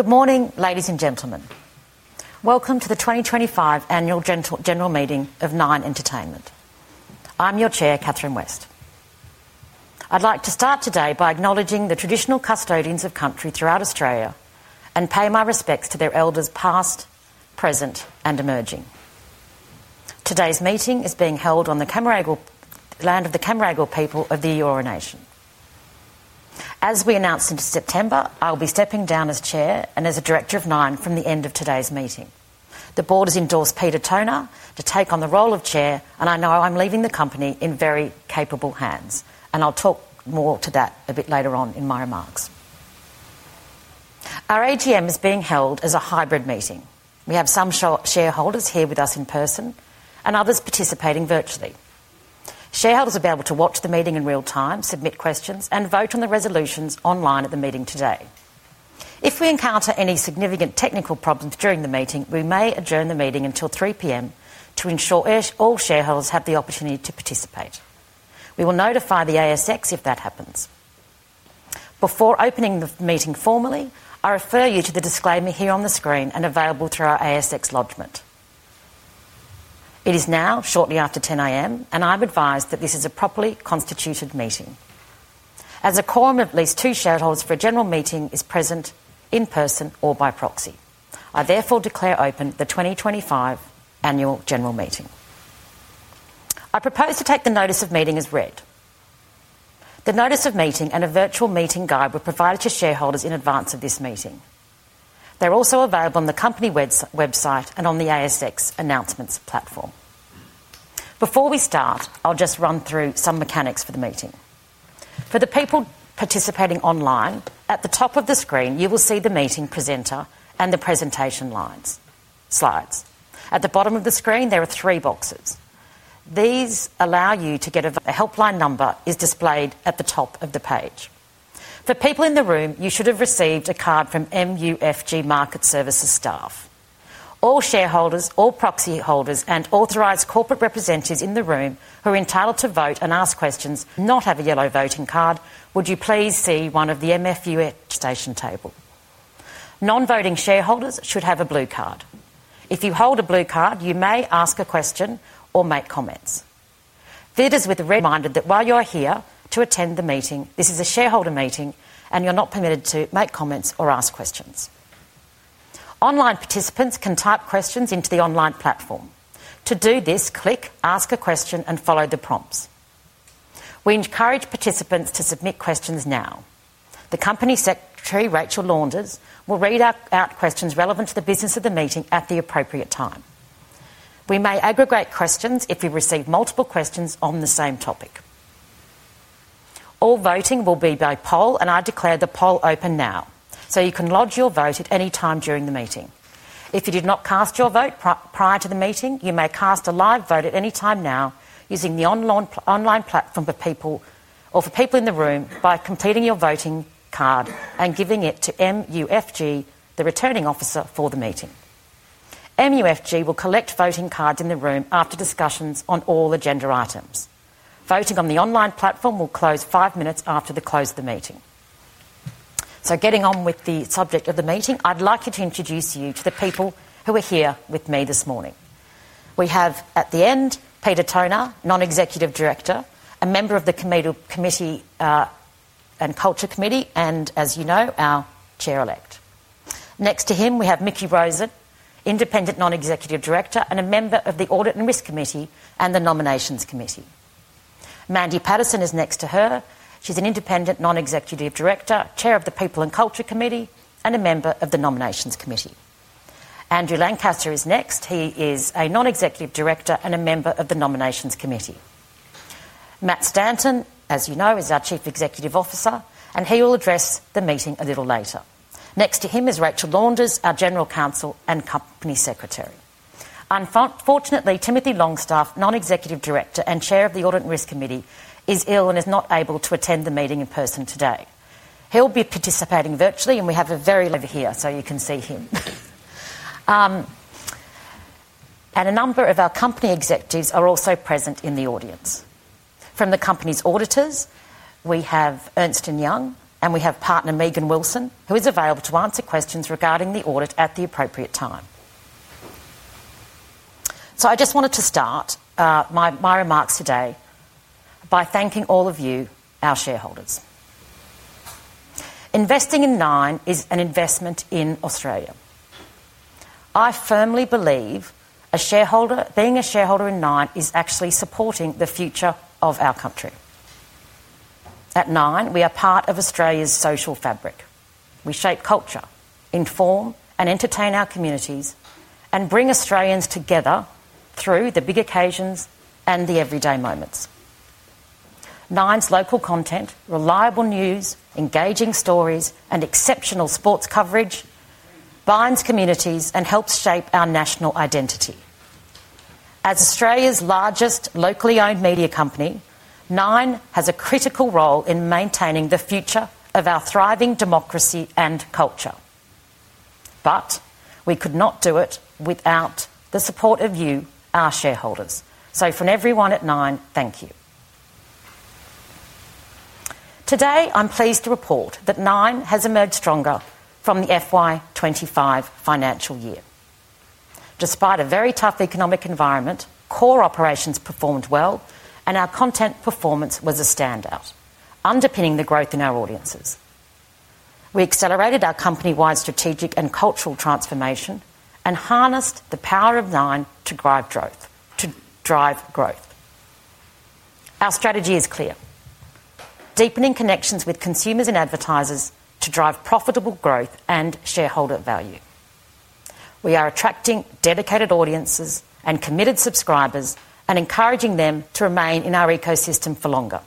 Good morning, ladies and gentlemen. Welcome to the 2025 Annual General Meeting of Nine Entertainment. I'm your Chair, Catherine West. I'd like to start today by acknowledging the traditional custodians of country throughout Australia and pay my respects to their elders past, present, and emerging. Today's meeting is being held on the land of the Cammeraygal people of the Eora Nation. As we announced in September, I will be stepping down as Chair and as a director of Nine from the end of today's meeting. The board has endorsed Peter Tonagh to take on the role of Chair, and I know I'm leaving the company in very capable hands, and I'll talk more to that a bit later on in my remarks. Our AGM is being held as a hybrid meeting. We have some shareholders here with us in person and others participating virtually. Shareholders will be able to watch the meeting in real time, submit questions, and vote on the resolutions online at the meeting today. If we encounter any significant technical problems during the meeting, we may adjourn the meeting until 3:00 P.M. to ensure all shareholders have the opportunity to participate. We will notify the ASX if that happens. Before opening the meeting formally, I refer you to the disclaimer here on the screen and available through our ASX Lodgment. It is now shortly after 10:00 A.M., and I've advised that this is a properly constituted meeting. As a quorum, at least two shareholders for a general meeting are present in person or by proxy. I therefore declare open the 2025 Annual General Meeting. I propose to take the notice of meeting as read. The notice of meeting and a virtual meeting guide were provided to shareholders in advance of this meeting. They're also available on the company website and on the ASX announcements platform. Before we start, I'll just run through some mechanics for the meeting. For the people participating online, at the top of the screen, you will see the meeting presenter and the presentation lines. At the bottom of the screen, there are three boxes. These allow you to get a helpline number that is displayed at the top of the page. For people in the room, you should have received a card from MUFG Market Services staff. All shareholders, all proxy holders, and authorised corporate representatives in the room who are entitled to vote and ask questions do not have a yellow voting card. Would you please see one of the MUFG Market Services presentation tables? Non-voting shareholders should have a blue card. If you hold a blue card, you may ask a question or make comments. Visitors with a red card are reminded that while you are here to attend the meeting, this is a shareholder meeting, and you're not permitted to make comments or ask questions. Online participants can type questions into the online platform. To do this, click ask a question and follow the prompts. We encourage participants to submit questions now. The Company Secretary, Rachel Launders, will read out questions relevant to the business of the meeting at the appropriate time. We may aggregate questions if we receive multiple questions on the same topic. All voting will be by poll, and I declare the poll open now, so you can lodge your vote at any time during the meeting. If you did not cast your vote prior to the meeting, you may cast a live vote at any time now using the online platform for people or for people in the room by completing your voting card and giving it to MUFG, the returning officer for the meeting. MUFG will collect voting cards in the room after discussions on all agenda items. Voting on the online platform will close five minutes after the close of the meeting. Getting on with the subject of the meeting, I'd like to introduce you to the people who are here with me this morning. We have, at the end, Peter Tonagh, Non-Executive Director, a member of the committee and culture committee, and as you know, our Chair-Elect. Next to him, we have Mickey Rosen, Independent Non-Executive Director and a member of the Audit and Risk Committee and the Nominations Committee. Mandy Pattinson is next to her. She is an independent non-executive director, Chair of the People and Culture Committee, and a member of the Nominations Committee. Andrew Lancaster is next. He is a Non-Executive director and a member of the Nominations Committee. Matt Stanton, as you know, is our Chief Executive Officer, and he will address the meeting a little later. Next to him is Rachel Launders, our General Counsel and Company Secretary. Unfortunately, Timothy Longstaff, Non-Executive Director and Chair of the Audit and Risk Committee, is ill and is not able to attend the meeting in person today. He will be participating virtually, and we have a video over here so you can see him. A number of our company executives are also present in the audience. From the company's auditors, we have Ernst & Young, and we have partner Megan Wilson, who is available to answer questions regarding the audit at the appropriate time. I just wanted to start my remarks today by thanking all of you, our shareholders. Investing in Nine is an investment in Australia. I firmly believe being a shareholder in Nine is actually supporting the future of our country. At Nine, we are part of Australia's social fabric. We shape culture, inform and entertain our communities, and bring Australians together through the big occasions and the everyday moments. Nine's local content, reliable news, engaging stories, and exceptional sports coverage bind communities and help shape our national identity. As Australia's largest locally owned media company, Nine has a critical role in maintaining the future of our thriving democracy and culture. We could not do it without the support of you, our shareholders. From everyone at Nine, thank you. Today, I am pleased to report that Nine has emerged stronger from the FY 2025 financial year. Despite a very tough economic environment, core operations performed well, and our content performance was a standout, underpinning the growth in our audiences. We accelerated our company-wide strategic and cultural transformation and harnessed the power of Nine to drive growth. Our strategy is clear. Deepening connections with consumers and advertisers to drive profitable growth and shareholder value. We are attracting dedicated audiences and committed subscribers and encouraging them to remain in our ecosystem for longer.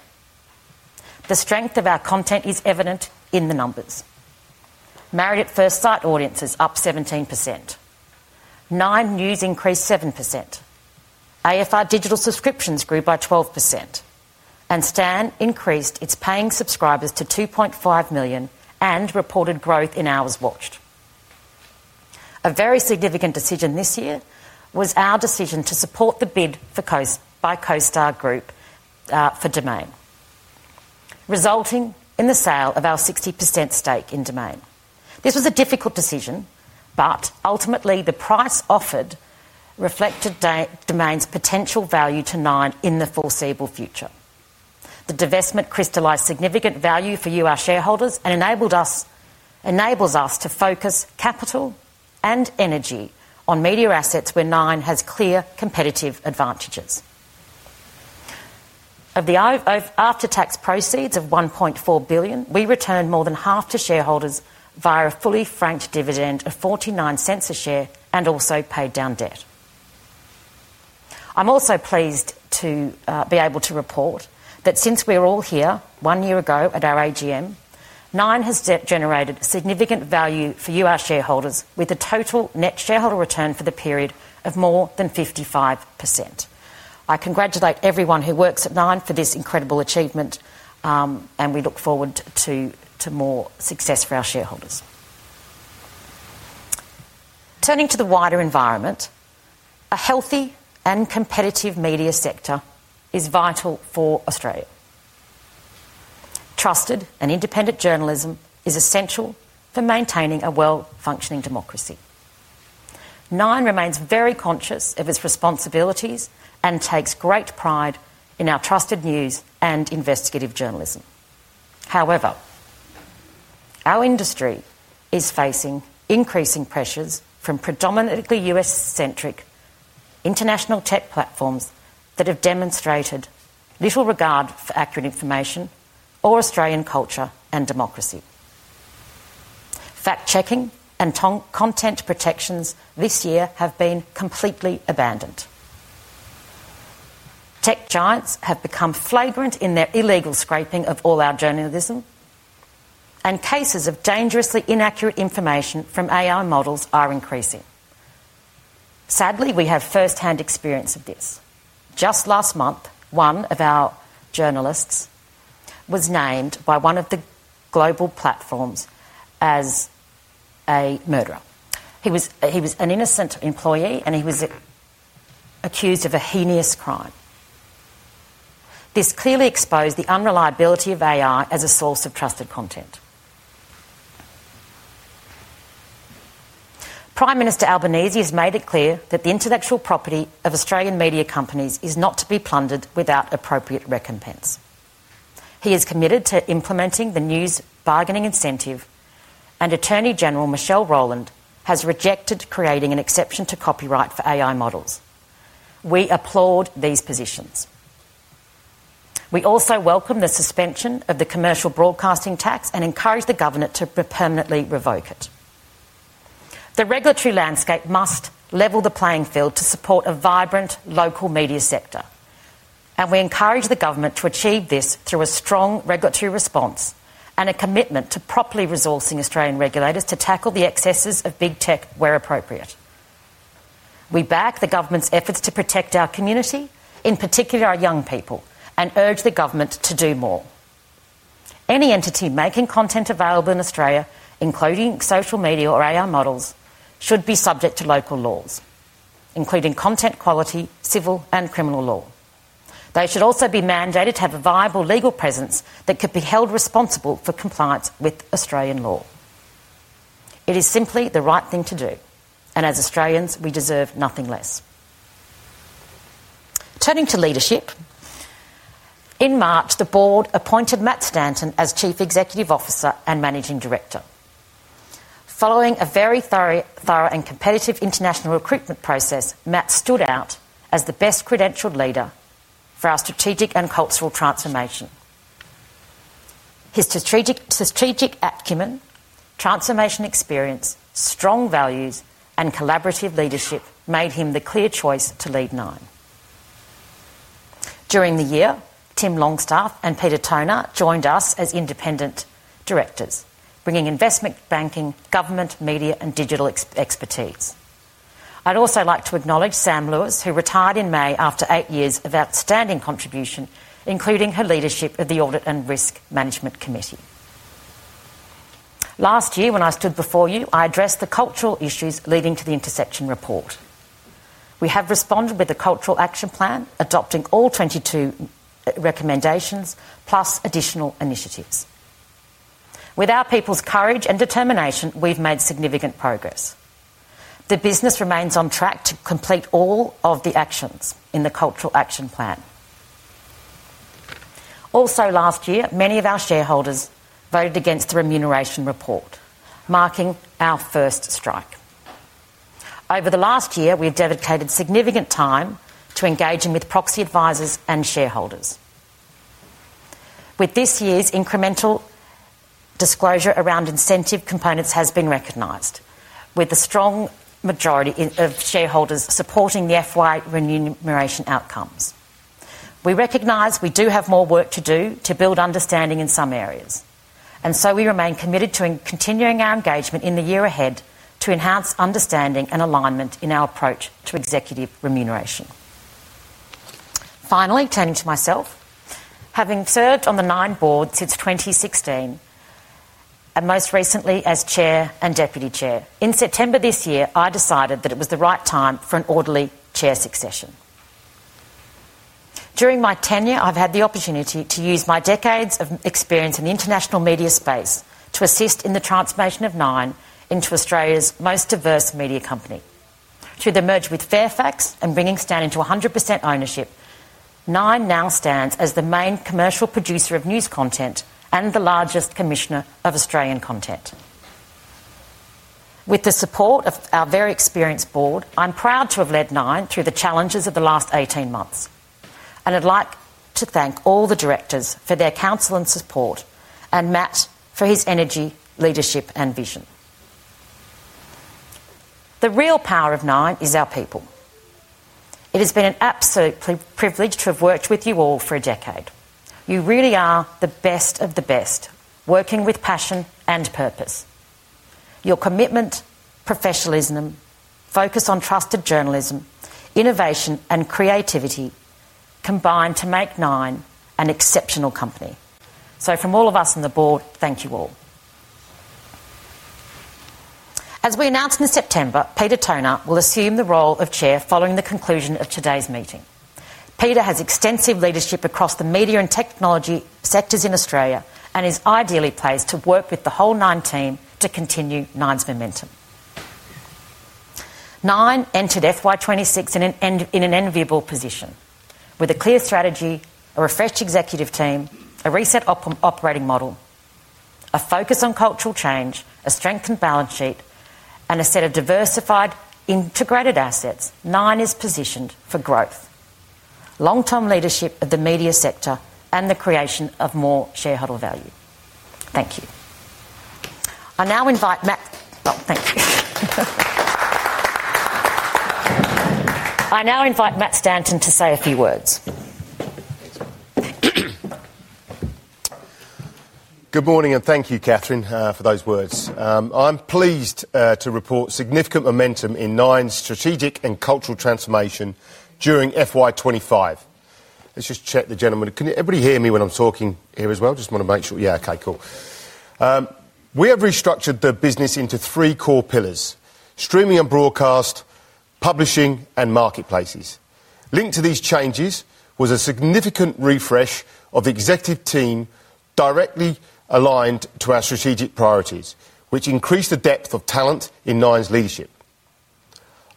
The strength of our content is evident in the numbers. Married at First Sight audiences are up 17%. Nine News increased 7%. AFR Digital subscriptions grew by 12%. Stan increased its paying subscribers to 2.5 million and reported growth in hours watched. A very significant decision this year was our decision to support the bid by CoStar Group for Domain, resulting in the sale of our 60% stake in Domain. This was a difficult decision, but ultimately the price offered reflected Domain's potential value to Nine in the foreseeable future. The divestment crystallized significant value for you, our shareholders, and enables us to focus capital and energy on media assets where Nine has clear competitive advantages. Of the after-tax proceeds of 1.4 billion, we returned more than half to shareholders via a fully franked dividend of 0.49 a share and also paid down debt. I'm also pleased to be able to report that since we were all here one year ago at our AGM, Nine has generated significant value for you, our shareholders, with a total net shareholder return for the period of more than 55%. I congratulate everyone who works at Nine for this incredible achievement. We look forward to more success for our shareholders. Turning to the wider environment. A healthy and competitive media sector is vital for Australia. Trusted and independent journalism is essential for maintaining a well-functioning democracy. Nine remains very conscious of its responsibilities and takes great pride in our trusted news and investigative journalism. However, our industry is facing increasing pressures from predominantly U.S.-centric, international tech platforms that have demonstrated little regard for accurate information or Australian culture and democracy. Fact-checking and content protections this year have been completely abandoned. Tech giants have become flagrant in their illegal scraping of all our journalism. Cases of dangerously inaccurate information from AI models are increasing. Sadly, we have first-hand experience of this. Just last month, one of our journalists was named by one of the global platforms as a murderer. He was an innocent employee, and he was accused of a heinous crime. This clearly exposed the unreliability of AI as a source of trusted content. Prime Minister Albanese has made it clear that the intellectual property of Australian media companies is not to be plundered without appropriate recompense. He is committed to implementing the news bargaining incentive, and Attorney-General Michelle Rowland has rejected creating an exception to copyright for AI models. We applaud these positions. We also welcome the suspension of the commercial broadcasting tax and encourage the government to permanently revoke it. The regulatory landscape must level the playing field to support a vibrant local media sector. We encourage the government to achieve this through a strong regulatory response and a commitment to properly resourcing Australian regulators to tackle the excesses of big tech where appropriate. We back the government's efforts to protect our community, in particular our young people, and urge the government to do more. Any entity making content available in Australia, including social media or AI models, should be subject to local laws, including content quality, civil, and criminal law. They should also be mandated to have a viable legal presence that could be held responsible for compliance with Australian law. It is simply the right thing to do, and as Australians, we deserve nothing less. Turning to leadership. In March, the board appointed Matt Stanton as Chief Executive Officer and Managing Director. Following a very thorough and competitive international recruitment process, Matt stood out as the best credentialed leader for our strategic and cultural transformation. His strategic acumen, transformation experience, strong values, and collaborative leadership made him the clear choice to lead Nine. During the year, Tim Longstaff and Peter Tonagh joined us as independent directors, bringing investment banking, government, media, and digital expertise. I'd also like to acknowledge Sam Lewis, who retired in May after eight years of outstanding contribution, including her leadership of the audit and risk management committee. Last year, when I stood before you, I addressed the cultural issues leading to the Intersection Report. We have responded with the Cultural Action Plan, adopting all 22 recommendations plus additional initiatives. With our people's courage and determination, we've made significant progress. The business remains on track to complete all of the actions in the Cultural Action Plan. Also, last year, many of our shareholders voted against the remuneration report, marking our first strike. Over the last year, we've dedicated significant time to engaging with proxy advisors and shareholders. This year's incremental disclosure around incentive components has been recognized, with a strong majority of shareholders supporting the FY remuneration outcomes. We recognize we do have more work to do to build understanding in some areas, and we remain committed to continuing our engagement in the year ahead to enhance understanding and alignment in our approach to executive remuneration. Finally, turning to myself, having served on the Nine board since 2016 and most recently as Chair and Deputy Chair, in September this year, I decided that it was the right time for an orderly chair succession. During my tenure, I've had the opportunity to use my decades of experience in the international media space to assist in the transformation of Nine into Australia's most diverse media company. Through the merger with Fairfax and bringing Stan into 100% ownership, Nine now stands as the main commercial producer of news content and the largest commissioner of Australian content. With the support of our very experienced board, I'm proud to have led Nine through the challenges of the last 18 months, and I'd like to thank all the directors for their counsel and support, and Matt for his energy, leadership, and vision. The real power of Nine is our people. It has been an absolute privilege to have worked with you all for a decade. You really are the best of the best, working with passion and purpose. Your commitment, professionalism, focus on trusted journalism, innovation, and creativity combined to make Nine an exceptional company. From all of us on the board, thank you all. As we announced in September, Peter Tonagh will assume the role of Chair following the conclusion of today's meeting. Peter has extensive leadership across the media and technology sectors in Australia and is ideally placed to work with the whole Nine team to continue Nine's momentum. Nine entered FY 2026 in an enviable position, with a clear strategy, a refreshed executive team, a reset operating model, a focus on cultural change, a strengthened balance sheet, and a set of diversified integrated assets. Nine is positioned for growth, long-term leadership of the media sector, and the creation of more shareholder value. Thank you. I now invite Matt, oh, thank you. I now invite Matt Stanton to say a few words. Good morning and thank you, Catherine, for those words. I'm pleased to report significant momentum in Nine's strategic and cultural transformation during FY 2025. Let's just check, the gentlemen, can everybody hear me when I'm talking here as well? Just want to make sure. Yeah, okay, cool. We have restructured the business into three core pillars: streaming and broadcast, Publishing, and marketplaces. Linked to these changes was a significant refresh of the executive team directly aligned to our strategic priorities, which increased the depth of talent in Nine's leadership.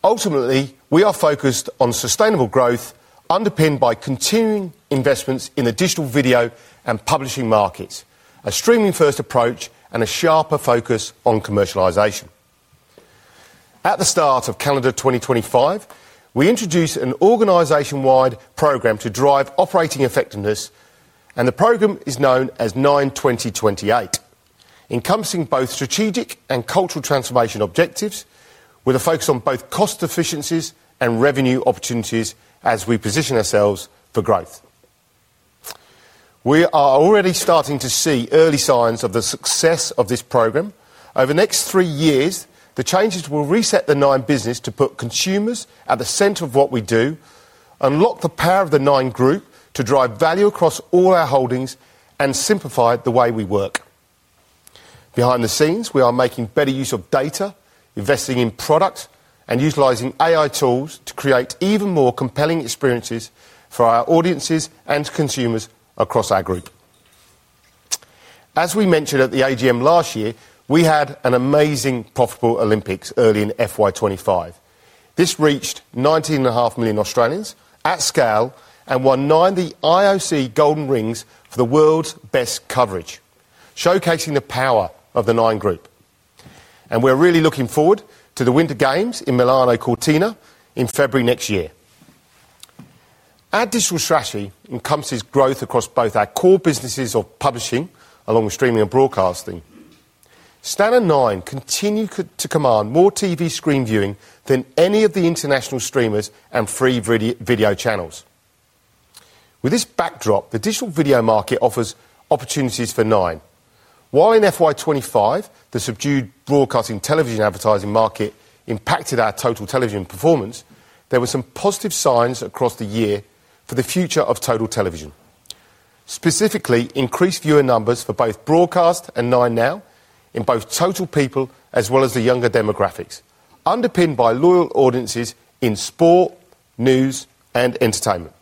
Ultimately, we are focused on sustainable growth underpinned by continuing investments in the digital video and Publishing markets, a streaming-first approach, and a sharper focus on commercialisation. At the start of calendar 2025, we introduced an organization-wide program to drive operating effectiveness, and the program is known as Nine2028, encompassing both strategic and cultural transformation objectives with a focus on both cost efficiencies and revenue opportunities as we position ourselves for growth. We are already starting to see early signs of the success of this program. Over the next three years, the changes will reset the Nine business to put consumers at the center of what we do, unlock the power of the Nine group to drive value across all our holdings, and simplify the way we work. Behind the scenes, we are making better use of data, investing in products, and utilizing AI tools to create even more compelling experiences for our audiences and consumers across our group. As we mentioned at the AGM last year, we had an amazing profitable Olympics early in FY 2025. This reached 19.5 million Australians at scale and won Nine the IOC Golden Rings for the world's best coverage, showcasing the power of the Nine group. We are really looking forward to the Winter Games in Milano Cortina in February next year. Our digital strategy encompasses growth across both our core businesses of Publishing along with streaming and broadcasting. Stan and Nine continue to command more TV screen viewing than any of the international streamers and free video channels. With this backdrop, the digital video market offers opportunities for Nine. While in FY2025, the subdued broadcasting television advertising market impacted our total television performance, there were some positive signs across the year for the future of total television. Specifically, increased viewer numbers for both broadcast and 9Now in both total people as well as the younger demographics, underpinned by loyal audiences in sport, news, and entertainment.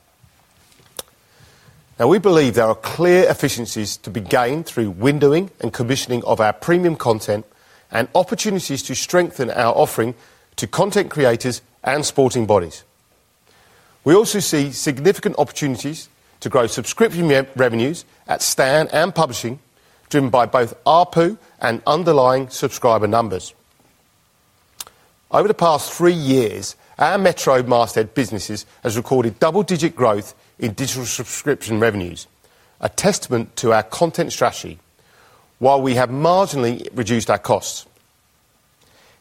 Now, we believe there are clear efficiencies to be gained through windowing and commissioning of our premium content and opportunities to strengthen our offering to content creators and sporting bodies. We also see significant opportunities to grow subscription revenues at Stan and Publishing, driven by both ARPU and underlying subscriber numbers. Over the past three years, our Metro-mastered businesses have recorded double-digit growth in digital subscription revenues, a testament to our content strategy, while we have marginally reduced our costs.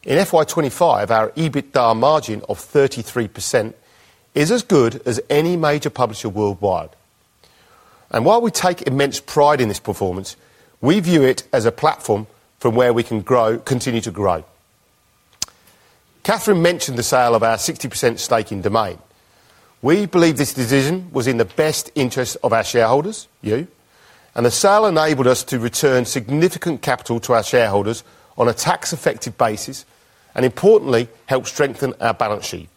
In FY 2025, our EBITDA margin of 33% is as good as any major publisher worldwide. While we take immense pride in this performance, we view it as a platform from where we can continue to grow. Catherine mentioned the sale of our 60% stake in Domain. We believe this decision was in the best interest of our shareholders, you, and the sale enabled us to return significant capital to our shareholders on a tax-effective basis and, importantly, helped strengthen our balance sheet.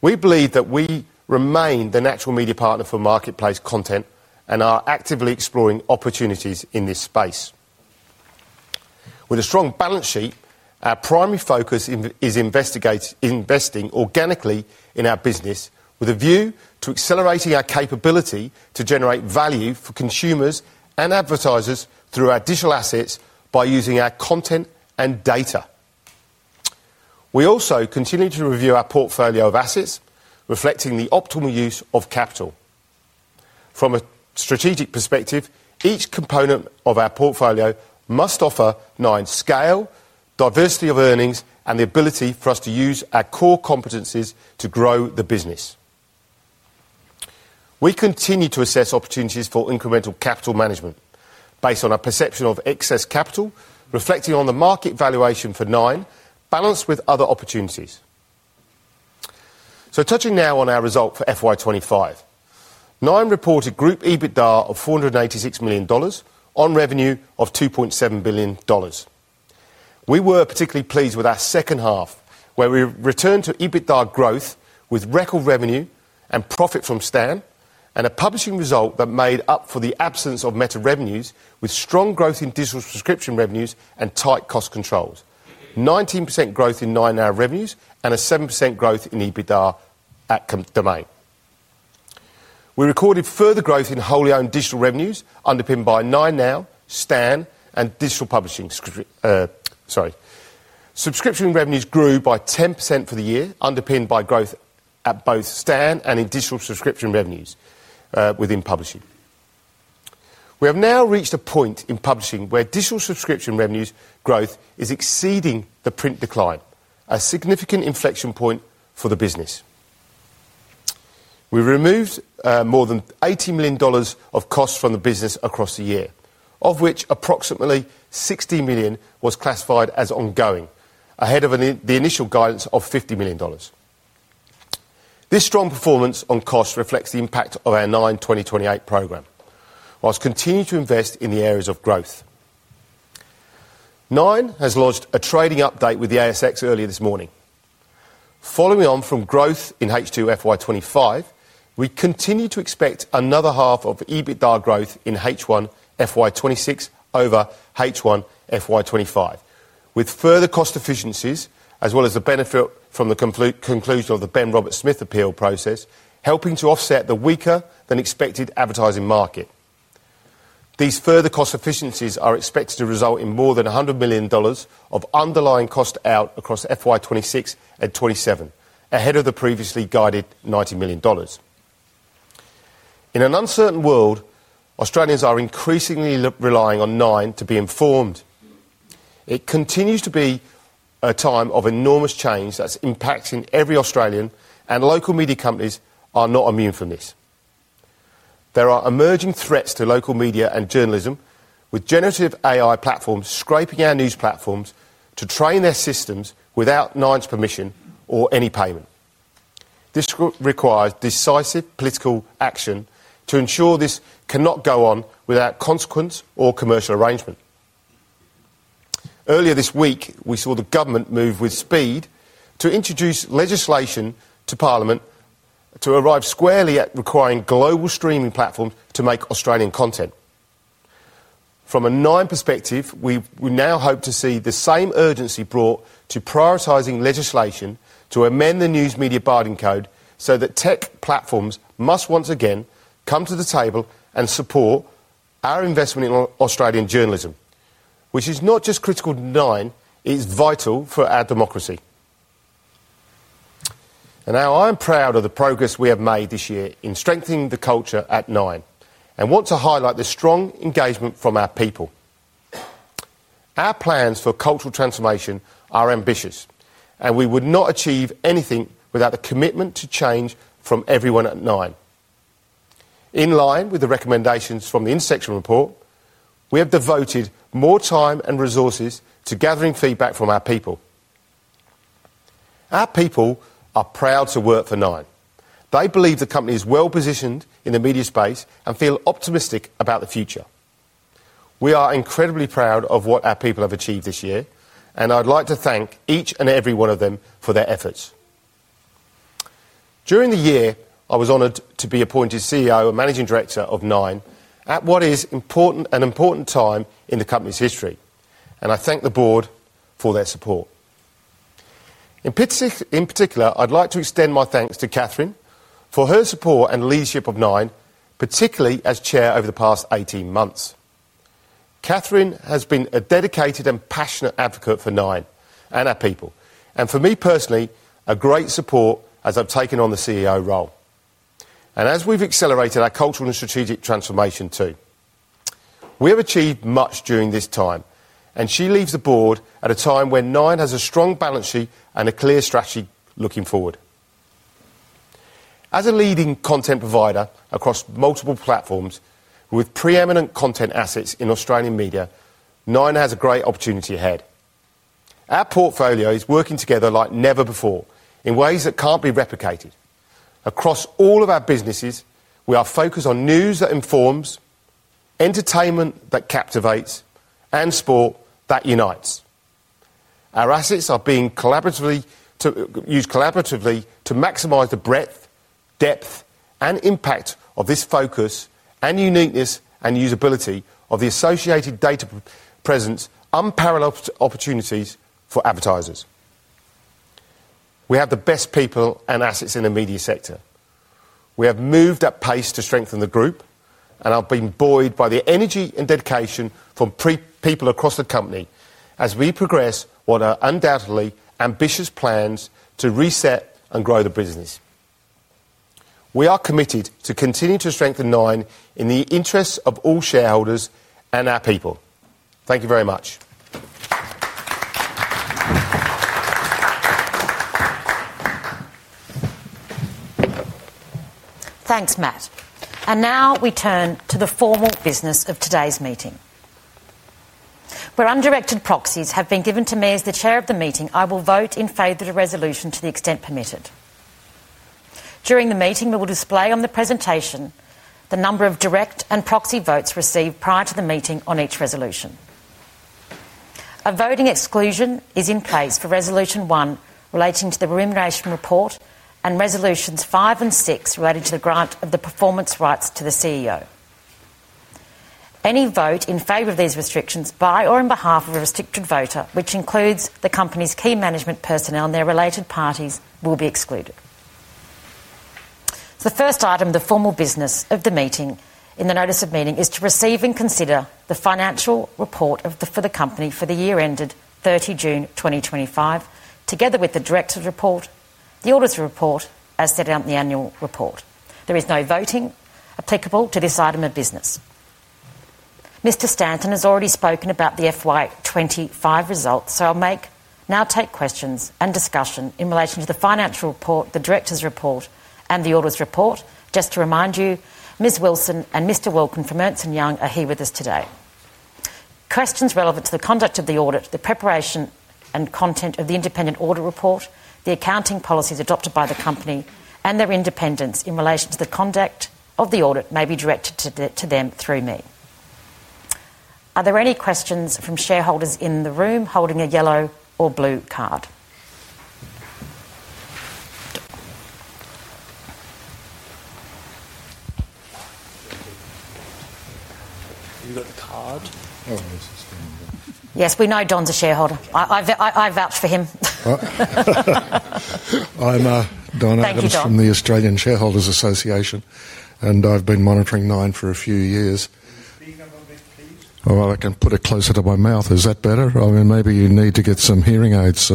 We believe that we remain the natural media partner for marketplace content and are actively exploring opportunities in this space. With a strong balance sheet, our primary focus is investing organically in our business with a view to accelerating our capability to generate value for consumers and advertisers through our digital assets by using our content and data. We also continue to review our portfolio of assets, reflecting the optimal use of capital. From a strategic perspective, each component of our portfolio must offer Nine scale, diversity of earnings, and the ability for us to use our core competencies to grow the business. We continue to assess opportunities for incremental capital management based on our perception of excess capital, reflecting on the market valuation for Nine, balanced with other opportunities. Touching now on our result for FY 2025. Nine reported group EBITDA of 486 million dollars on revenue of 2.7 billion dollars. We were particularly pleased with our second half, where we returned to EBITDA growth with record revenue and profit from Stan and a Publishing result that made up for the absence of Meta revenues with strong growth in digital subscription revenues and tight cost controls, 19% growth in 9Now revenues and a 7% growth in EBITDA at Domain. We recorded further growth in wholly owned digital revenues underpinned by 9Now, Stan, and digital Publishing. Sorry. Subscription revenues grew by 10% for the year, underpinned by growth at both Stan and in digital subscription revenues within Publishing. We have now reached a point in Publishing where digital subscription revenues growth is exceeding the print decline, a significant inflection point for the business. We removed more than 80 million dollars of costs from the business across the year, of which approximately 60 million was classified as ongoing, ahead of the initial guidance of 50 million dollars. This strong performance on costs reflects the impact of our Nine2028 programme, whilst continuing to invest in the areas of growth. Nine has lodged a trading update with the ASX earlier this morning. Following on from growth in H2 FY 2025, we continue to expect another half of EBITDA growth in H1 FY 2026 over H1 FY 2025, with further cost efficiencies as well as the benefit from the conclusion of the Ben Roberts-Smith appeal process, helping to offset the weaker-than-expected advertising market. These further cost efficiencies are expected to result in more than 100 million dollars of underlying cost out across FY 2026 and 2027, ahead of the previously guided 90 million dollars. In an uncertain world, Australians are increasingly relying on Nine to be informed. It continues to be a time of enormous change that's impacting every Australian, and local media companies are not immune from this. There are emerging threats to local media and journalism, with generative AI platforms scraping our news platforms to train their systems without Nine's permission or any payment. This requires decisive political action to ensure this cannot go on without consequence or commercial arrangement. Earlier this week, we saw the government move with speed to introduce legislation to Parliament to arrive squarely at requiring global streaming platforms to make Australian content. From a Nine perspective, we now hope to see the same urgency brought to prioritising legislation to amend the news media binding code so that tech platforms must once again come to the table and support. Our investment in Australian journalism, which is not just critical to Nine, it's vital for our democracy. I am proud of the progress we have made this year in strengthening the culture at Nine, and want to highlight the strong engagement from our people. Our plans for cultural transformation are ambitious, and we would not achieve anything without the commitment to change from everyone at Nine. In line with the recommendations from the Intersection Report, we have devoted more time and resources to gathering feedback from our people. Our people are proud to work for Nine. They believe the company is well positioned in the media space and feel optimistic about the future. We are incredibly proud of what our people have achieved this year, and I'd like to thank each and every one of them for their efforts. During the year, I was honored to be appointed CEO and Managing Director of Nine at what is an important time in the company's history, and I thank the board for their support. In particular, I'd like to extend my thanks to Catherine for her support and leadership of Nine, particularly as Chair over the past 18 months. Catherine has been a dedicated and passionate advocate for Nine and our people, and for me personally, a great support as I've taken on the CEO role. As we've accelerated our cultural and strategic transformation too. We have achieved much during this time, and she leads the board at a time when Nine has a strong balance sheet and a clear strategy looking forward. As a leading content provider across multiple platforms with preeminent content assets in Australian media, Nine has a great opportunity ahead. Our portfolio is working together like never before in ways that cannot be replicated. Across all of our businesses, we are focused on news that informs, entertainment that captivates, and sport that unites. Our assets are being collaboratively used to maximize the breadth, depth, and impact of this focus and uniqueness and usability of the associated data presence, unparalleled opportunities for advertisers. We have the best people and assets in the media sector. We have moved at pace to strengthen the group, and I've been buoyed by the energy and dedication from people across the company as we progress on our undoubtedly ambitious plans to reset and grow the business. We are committed to continuing to strengthen Nine in the interests of all shareholders and our people. Thank you very much. Thanks, Matt. Now we turn to the formal business of today's meeting. Where undirected proxies have been given to me as the Chair of the meeting, I will vote in favor of the resolution to the extent permitted. During the meeting, we will display on the presentation the number of direct and proxy votes received prior to the meeting on each resolution. A voting exclusion is in place for Resolution One relating to the Remuneration Report and Resolutions Five and Six relating to the grant of the performance rights to the CEO. Any vote in favor of these restrictions by or on behalf of a restricted voter, which includes the company's key management personnel and their related parties, will be excluded. The first item, the formal business of the meeting in the notice of meeting, is to receive and consider the financial report for the company for the year ended 30 June 2025, together with the director's report, the auditor report, as set out in the annual report. There is no voting applicable to this item of business. Mr. Stanton has already spoken about the FY 2025 results, so I'll now take questions and discussion in relation to the financial report, the director's report, and the audit report. Just to remind you, Ms. Wilson and Mr. Wilkin from Ernst & Young are here with us today. Questions relevant to the conduct of the audit, the preparation and content of the independent audit report, the accounting policies adopted by the company, and their independence in relation to the conduct of the audit may be directed to them through me. Are there any questions from shareholders in the room holding a yellow or blue card? You've got the card. Yes, we know Don's a shareholder. I vouch for him. I'm Don Adam from the Australian Shareholders Association, and I've been monitoring Nine for a few years. I can put it closer to my mouth. Is that better? I mean, maybe you need to get some hearing aids.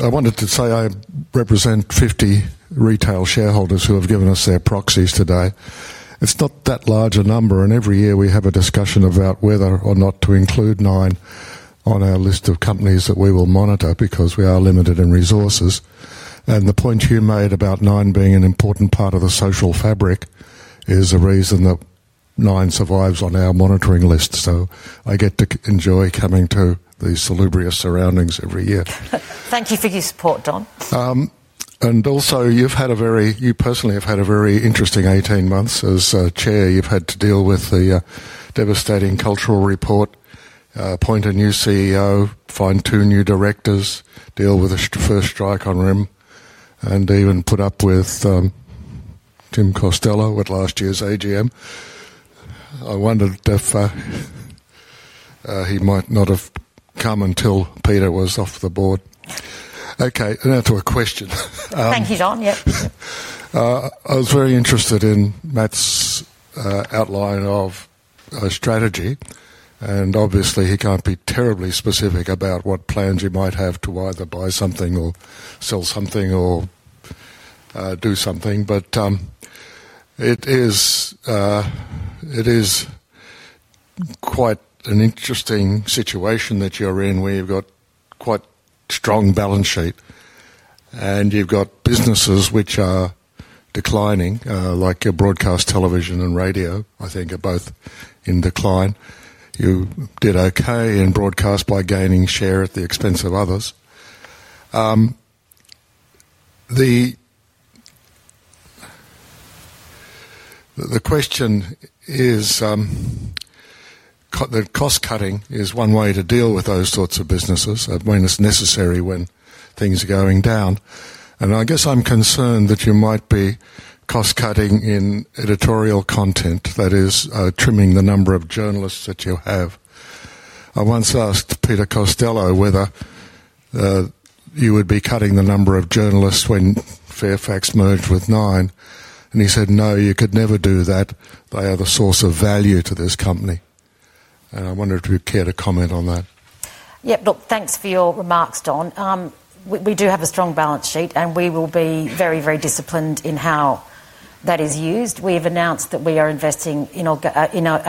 I wanted to say I represent 50 retail shareholders who have given us their proxies today. It's not that large a number, and every year we have a discussion about whether or not to include Nine on our list of companies that we will monitor because we are limited in resources. The point you made about Nine being an important part of the social fabric is a reason that Nine survives on our monitoring list. I get to enjoy coming to these salubrious surroundings every year. Thank you for your support, Don. You personally have had a very interesting 18 months as chair. You have had to deal with the devastating cultural report, appoint a new CEO, find two new directors, deal with a first strike on Rem, and even put up with Tim Costello at last year's AGM. I wondered if he might not have come until Peter was off the board. Okay, now to a question. Thank you, Don. I was very interested in Matt's outline of a strategy, and obviously he can't be terribly specific about what plans he might have to either buy something or sell something or do something. It is quite an interesting situation that you're in where you've got quite strong balance sheet, and you've got businesses which are declining, like your broadcast television and radio, I think, are both in decline. You did okay in broadcast by gaining share at the expense of others. The question is that cost cutting is one way to deal with those sorts of businesses, when it's necessary, when things are going down. I guess I'm concerned that you might be cost cutting in editorial content, that is, trimming the number of journalists that you have. I once asked Peter Costello whether you would be cutting the number of journalists when Fairfax merged with Nine, and he said, "No, you could never do that. They are the source of value to this company." I wonder if you care to comment on that. Yeah, look, thanks for your remarks, Don. We do have a strong balance sheet, and we will be very, very disciplined in how that is used. We have announced that we are investing in our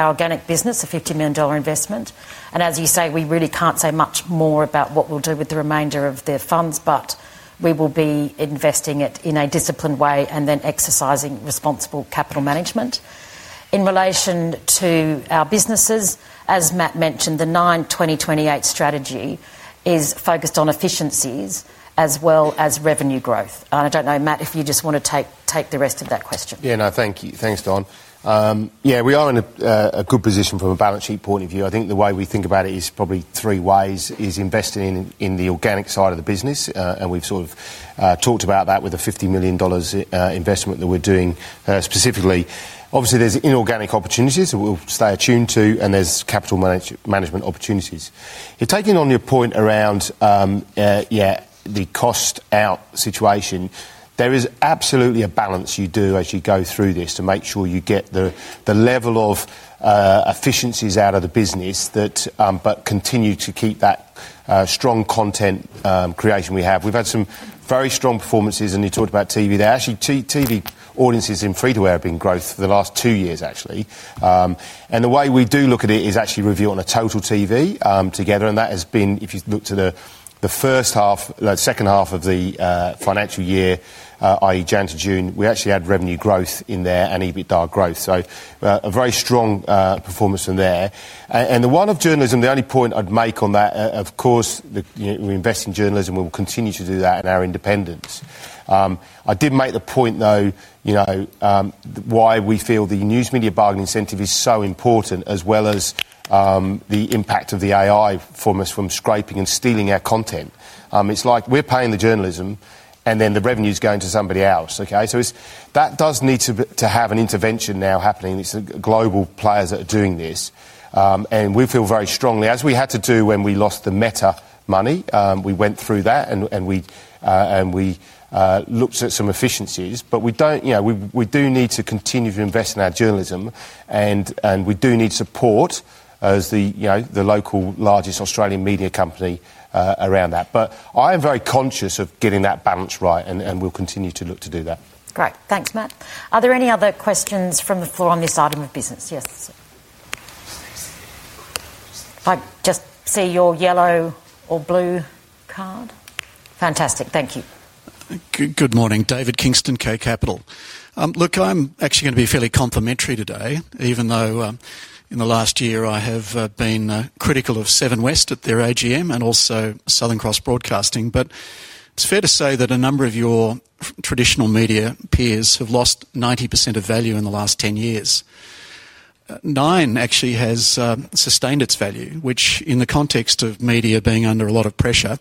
organic business, an 50 million dollar investment. As you say, we really cannot say much more about what we will do with the remainder of the funds, but we will be investing it in a disciplined way and then exercising responsible capital management. In relation to our businesses, as Matt mentioned, the Nine2028 strategy is focused on efficiencies as well as revenue growth. I do not know, Matt, if you just want to take the rest of that question. Yeah, no, thank you. Thanks, Don. Yeah, we are in a good position from a balance sheet point of view. I think the way we think about it is probably three ways: investing in the organic side of the business, and we've sort of talked about that with the 50 million dollars investment that we're doing specifically. Obviously, there's inorganic opportunities that we'll stay attuned to, and there's capital management opportunities. You're taking on your point around, yeah, the cost out situation. There is absolutely a balance you do as you go through this to make sure you get the level of efficiencies out of the business, but continue to keep that strong content creation we have. We've had some very strong performances, and you talked about TV there. Actually, TV audiences in free-to-air have been growth for the last two years, actually. The way we do look at it is actually review on a total TV together, and that has been, if you look to the first half, the second half of the financial year, i.e., January to June, we actually had revenue growth in there and EBITDA growth. A very strong performance in there. The one of journalism, the only point I'd make on that, of course, we invest in journalism, we will continue to do that in our independence. I did make the point, though. Why we feel the news media bargaining incentive is so important, as well as the impact of the AI from scraping and stealing our content. It's like we're paying the journalism, and then the revenue is going to somebody else, okay? That does need to have an intervention now happening. It's global players that are doing this. We feel very strongly, as we had to do when we lost the Meta money, we went through that and we looked at some efficiencies. We do need to continue to invest in our journalism, and we do need support as the local largest Australian media company around that. I am very conscious of getting that balance right, and we'll continue to look to do that. Great. Thanks, Matt. Are there any other questions from the floor on this item of business? Yes. If I just see your yellow or blue card. Fantastic. Thank you. Good morning. David Kingston, K Capital. Look, I'm actually going to be fairly complimentary today, even though in the last year I have been critical of Seven West at their AGM and also Southern Cross Broadcasting. It's fair to say that a number of your traditional media peers have lost 90% of value in the last 10 years. Nine actually has sustained its value, which in the context of media being under a lot of pressure,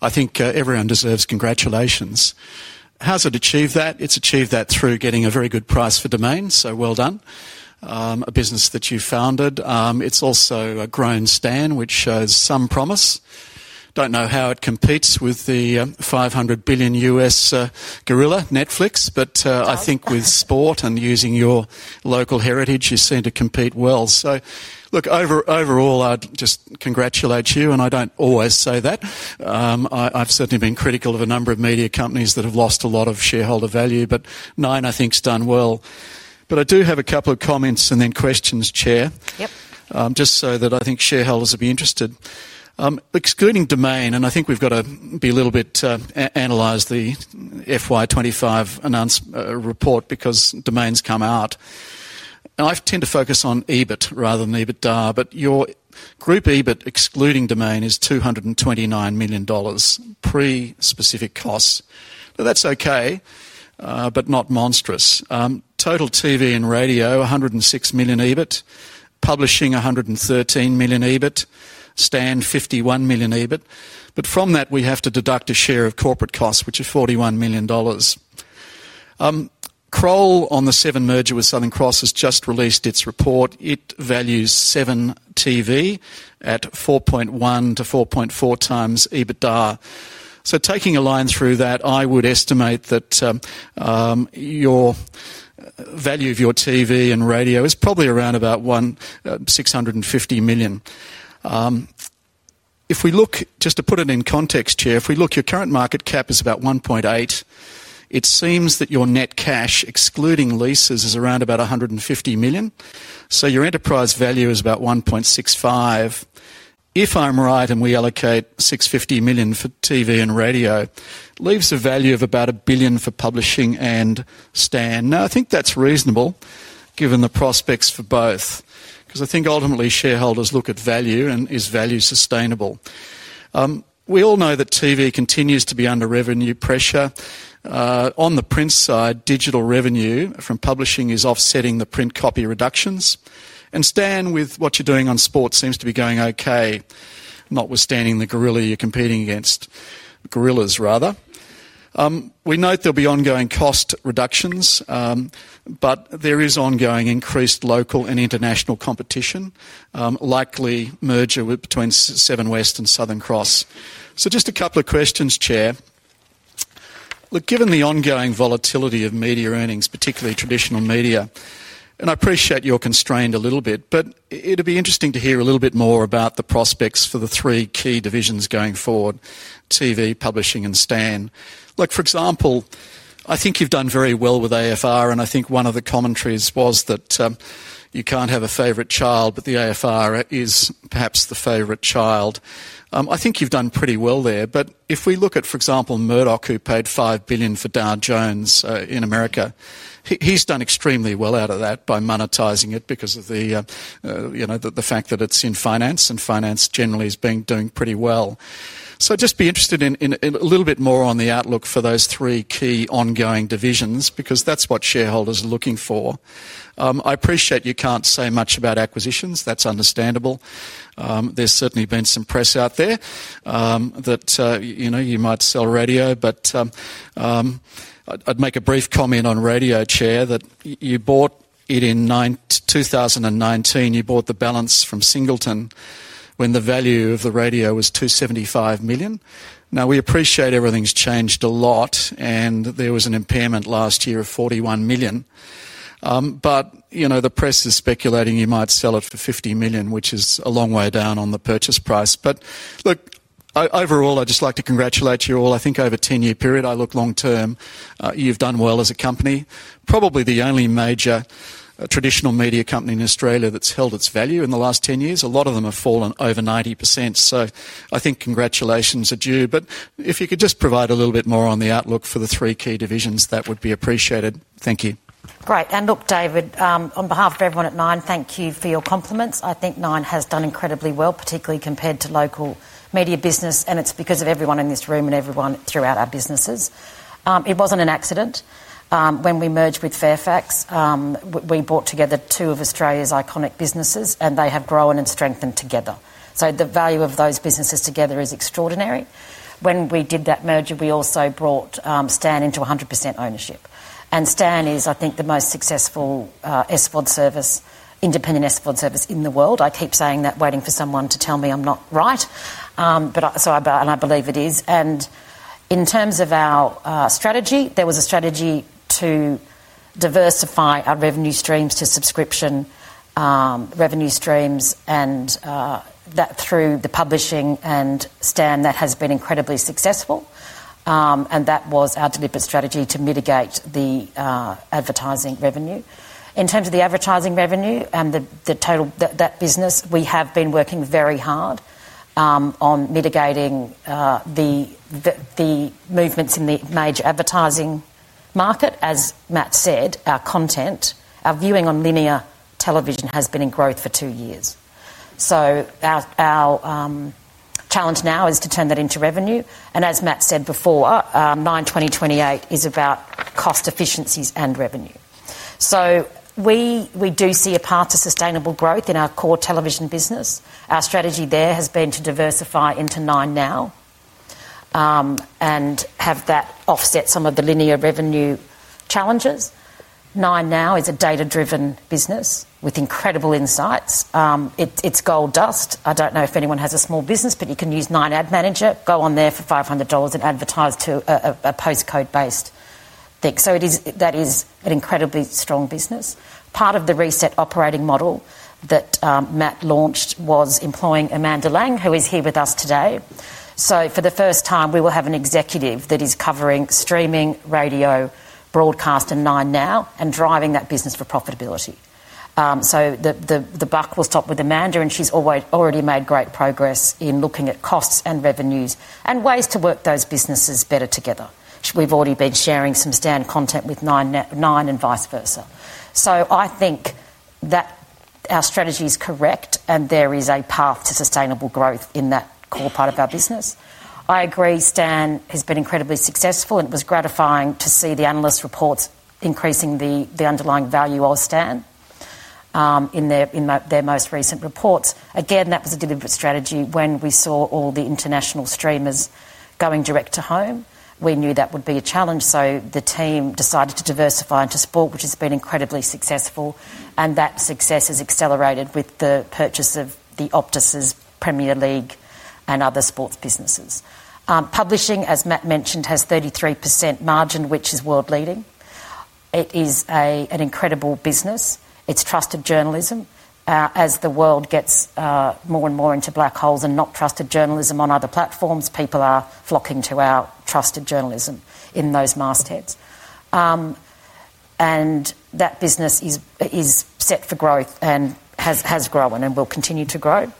I think everyone deserves congratulations. How's it achieved that? It's achieved that through getting a very good price for Domain, so well done. A business that you founded. It's also grown Stan, which shows some promise. Don't know how it competes with the $500 billion U.S. gorilla, Netflix, but I think with sport and using your local heritage, you seem to compete well. Look, overall, I just congratulate you, and I don't always say that. I've certainly been critical of a number of media companies that have lost a lot of shareholder value, but Nine, I think, has done well. I do have a couple of comments and then questions, Chair. Yep. Just so that I think shareholders will be interested. Excluding Domain, and I think we've got to be a little bit analyze the FY 2025 report because Domain's come out. I tend to focus on EBIT rather than EBITDA, but your group EBIT excluding Domain is 229 million dollars pre-specific costs. That's okay, but not monstrous. Total TV and radio, 106 million EBIT, Publishing 113 million EBIT, Stan 51 million EBIT. From that, we have to deduct a share of corporate costs, which are 41 million dollars. Kroll on the Seven merger with Southern Cross has just released its report. It values Seven TV at 4.1x-4.4x EBITDA. Taking a line through that, I would estimate that your value of your TV and radio is probably around about 650 million. If we look, just to put it in context, Chair, if we look, your current market cap is about 1.8 billion. It seems that your net cash, excluding leases, is around about 150 million. So your enterprise value is about 1.65 billion. If I'm right and we allocate 650 million for TV and radio, it leaves a value of about 1 billion for Publishing and Stan. Now, I think that's reasonable given the prospects for both, because I think ultimately shareholders look at value and is value sustainable. We all know that TV continues to be under revenue pressure. On the print side, digital revenue from Publishing is offsetting the print copy reductions. And Stan with what you're doing on sports seems to be going okay, notwithstanding the gorilla you're competing against gorillas, rather. We note there'll be ongoing cost reductions, but there is ongoing increased local and international competition, likely merger between Seven West and Southern Cross. Just a couple of questions, Chair. Look, given the ongoing volatility of media earnings, particularly traditional media, and I appreciate you're constrained a little bit, but it'd be interesting to hear a little bit more about the prospects for the three key divisions going forward: TV, Publishing, and Stan. Look, for example, I think you've done very well with AFR, and I think one of the commentaries was that you can't have a favorite child, but the AFR is perhaps the favorite child. I think you've done pretty well there. If we look at, for example, Murdoch, who paid $5 billion for Dow Jones in America, he's done extremely well out of that by monetizing it because of the fact that it's in finance and finance generally is doing pretty well. So I'd just be interested in a little bit more on the outlook for those three key ongoing divisions because that's what shareholders are looking for. I appreciate you can't say much about acquisitions. That's understandable. There's certainly been some press out there that you might sell radio, but I'd make a brief comment on radio, Chair, that you bought it in 2019. You bought the balance from Singleton when the value of the radio was 275 million. Now, we appreciate everything's changed a lot, and there was an impairment last year of 41 million. The press is speculating you might sell it for 50 million, which is a long way down on the purchase price. Look, overall, I'd just like to congratulate you all. I think over a 10-year period, I look long term, you've done well as a company. Probably the only major traditional media company in Australia that's held its value in the last 10 years. A lot of them have fallen over 90%. I think congratulations are due. If you could just provide a little bit more on the outlook for the three key divisions, that would be appreciated. Thank you. Great. Look, David, on behalf of everyone at Nine, thank you for your compliments. I think Nine has done incredibly well, particularly compared to local media business, and it is because of everyone in this room and everyone throughout our businesses. It was not an accident. When we merged with Fairfax, we brought together two of Australia's iconic businesses, and they have grown and strengthened together. The value of those businesses together is extraordinary. When we did that merger, we also brought Stan into 100% ownership. Stan is, I think, the most successful independent SVOD service in the world. I keep saying that, waiting for someone to tell me I am not right. I believe it is. In terms of our strategy, there was a strategy to diversify our revenue streams to subscription revenue streams, and that through the Publishing and Stan, that has been incredibly successful. That was our deliberate strategy to mitigate the advertising revenue. In terms of the advertising revenue and the total, that business, we have been working very hard on mitigating the movements in the major advertising market. As Matt said, our content, our viewing on linear television has been in growth for two years. Our challenge now is to turn that into revenue. As Matt said before, Nine2028 is about cost efficiencies and revenue. We do see a path to sustainable growth in our core television business. Our strategy there has been to diversify into 9Now and have that offset some of the linear revenue challenges. 9Now is a data-driven business with incredible insights. It's gold dust. I do not know if anyone has a small business, but you can use Nine Ad Manager, go on there for 500 dollars and advertise to a postcode-based thing. That is an incredibly strong business. Part of the reset operating model that Matt launched was employing Amanda Laing, who is here with us today. For the first time, we will have an executive that is covering streaming, radio, broadcast, and 9Now and driving that business for profitability. The buck will stop with Amanda, and she's already made great progress in looking at costs and revenues and ways to work those businesses better together. We've already been sharing some Stan content with Nine and vice versa. I think that our strategy is correct, and there is a path to sustainable growth in that core part of our business. I agree Stan has been incredibly successful, and it was gratifying to see the analyst reports increasing the underlying value of Stan in their most recent reports. Again, that was a deliberate strategy. When we saw all the international streamers going direct to home, we knew that would be a challenge. The team decided to diversify into sport, which has been incredibly successful. That success has accelerated with the purchase of the Optus' Premier League and other sports businesses. Publishing, as Matt mentioned, has 33% margin, which is world-leading. It is an incredible business. It's trusted journalism. As the world gets more and more into black holes and not trusted journalism on other platforms, people are flocking to our trusted journalism in those mastheads. That business is set for growth and has grown and will continue to grow.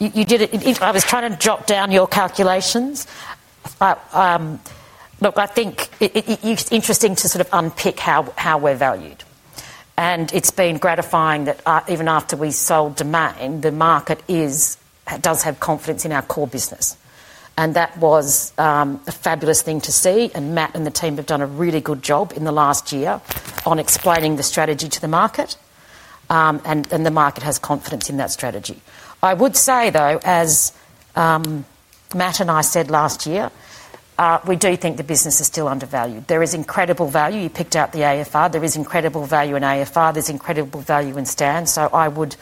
I was trying to jot down your calculations. Look, I think it's interesting to sort of unpick how we're valued. It's been gratifying that even after we sold Domain, the market does have confidence in our core business. That was. A fabulous thing to see. Matt and the team have done a really good job in the last year on explaining the strategy to the market. The market has confidence in that strategy. I would say, though, as Matt and I said last year, we do think the business is still undervalued. There is incredible value. You picked out the AFR. There is incredible value in AFR. There is incredible value in Stan. I would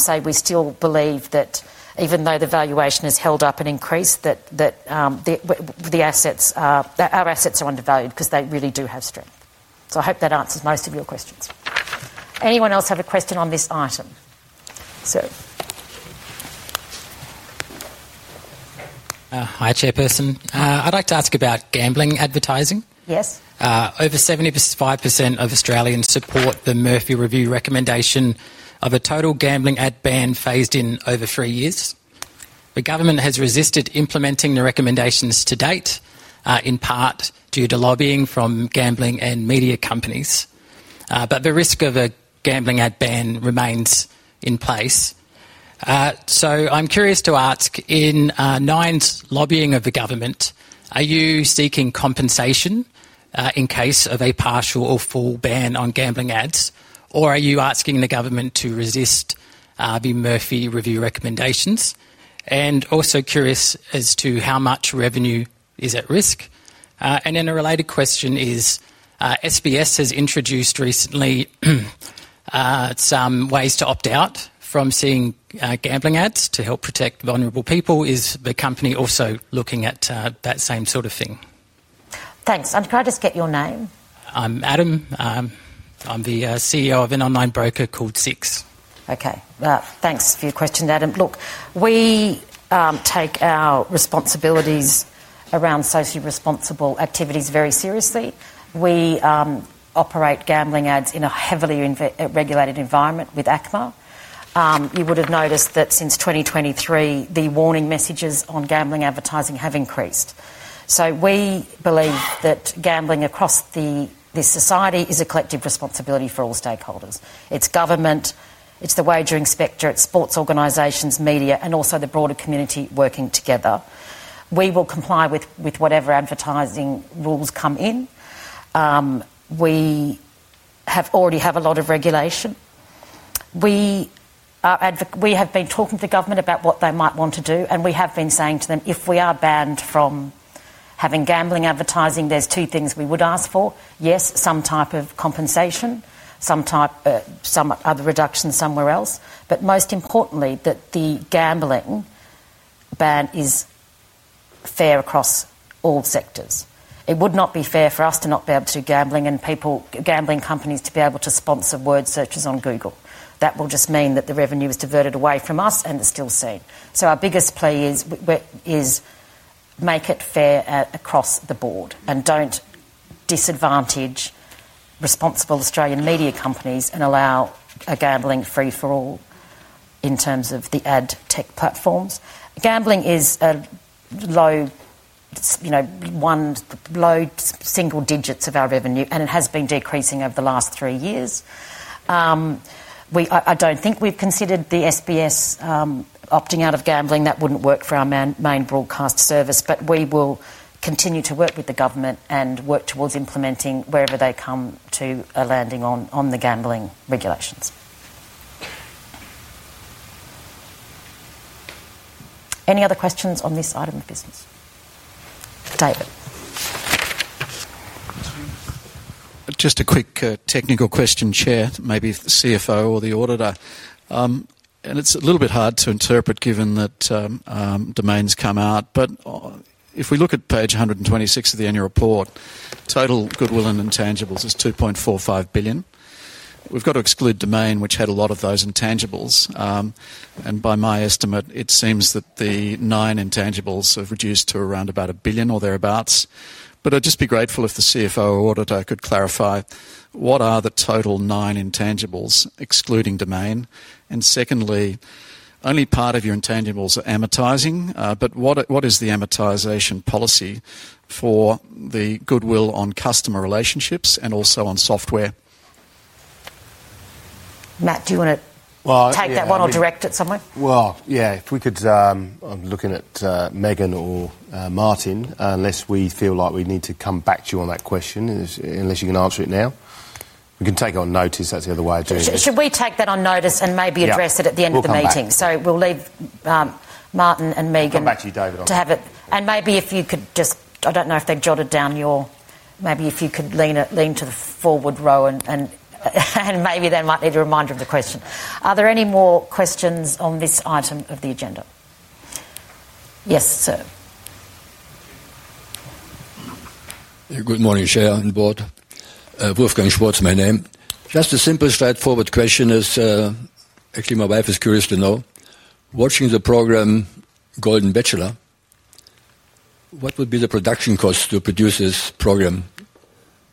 say we still believe that even though the valuation has held up and increased, our assets are undervalued because they really do have strength. I hope that answers most of your questions. Anyone else have a question on this item? Sir. Hi, Chairperson. I'd like to ask about gambling advertising. Yes. Over 75% of Australians support the Murphy Review recommendation of a total gambling ad ban phased in over three years. The government has resisted implementing the recommendations to date, in part due to lobbying from gambling and media companies. The risk of a gambling ad ban remains in place. I'm curious to ask, in Nine's lobbying of the government, are you seeking compensation in case of a partial or full ban on gambling ads, or are you asking the government to resist the Murphy Review recommendations? I'm also curious as to how much revenue is at risk. A related question is, SBS has introduced recently some ways to opt out from seeing gambling ads to help protect vulnerable people. Is the company also looking at that same sort of thing? Thanks. I'm sorry, I just get your name. I'm Adam. I'm the CEO of an online broker called SIX. Okay. Thanks for your question, Adam. Look, we take our responsibilities around socially responsible activities very seriously. We operate gambling ads in a heavily regulated environment with ACMA. You would have noticed that since 2023, the warning messages on gambling advertising have increased. We believe that gambling across this society is a collective responsibility for all stakeholders. It is government, it is the wagering specter, it is sports organisations, media, and also the broader community working together. We will comply with whatever advertising rules come in. We already have a lot of regulation. We have been talking to the government about what they might want to do, and we have been saying to them, if we are banned from having gambling advertising, there are two things we would ask for. Yes, some type of compensation, some other reduction somewhere else. Most importantly, that the gambling ban is fair across all sectors. It would not be fair for us to not be able to do gambling and gambling companies to be able to sponsor word searches on Google. That will just mean that the revenue is diverted away from us and it is still seen. Our biggest play is make it fair across the board and do not disadvantage responsible Australian media companies and allow a gambling free-for-all. In terms of the ad tech platforms, gambling is low single digits of our revenue, and it has been decreasing over the last three years. I do not think we have considered the SBS opting out of gambling. That would not work for our main broadcast service, but we will continue to work with the government and work towards implementing wherever they come to a landing on the gambling regulations. Any other questions on this item of business? David. Just a quick technical question, Chair, maybe the CFO or the auditor. It's a little bit hard to interpret given that Domain's come out. If we look at page 126 of the annual report, total goodwill and intangibles is 2.45 billion. We've got to exclude Domain, which had a lot of those intangibles. By my estimate, it seems that the Nine intangibles have reduced to around about 1 billion or thereabouts. I'd just be grateful if the CFO or auditor could clarify what are the total Nine intangibles, excluding Domain. Secondly, only part of your intangibles are amortizing. What is the amortization policy for the goodwill on customer relationships and also on software? Matt, do you want to take that one or direct it somewhere? Yeah, if we could, I'm looking at Megan or Martin, unless we feel like we need to come back to you on that question, unless you can answer it now. We can take it on notice. That's the other way of doing it. Should we take that on notice and maybe address it at the end of the meeting? So we'll leave Martin and Megan. I'll match you, David, on it. Maybe if you could just, I do not know if they have jotted down your, maybe if you could lean to the forward row and maybe they might need a reminder of the question. Are there any more questions on this item of the agenda? Yes, sir. Good morning, Chair and board. Wolfgang Schwartz my name. Just a simple, straightforward question is. Actually my wife is curious to know. Watching the program Golden Bachelor, what would be the production cost to produce this program?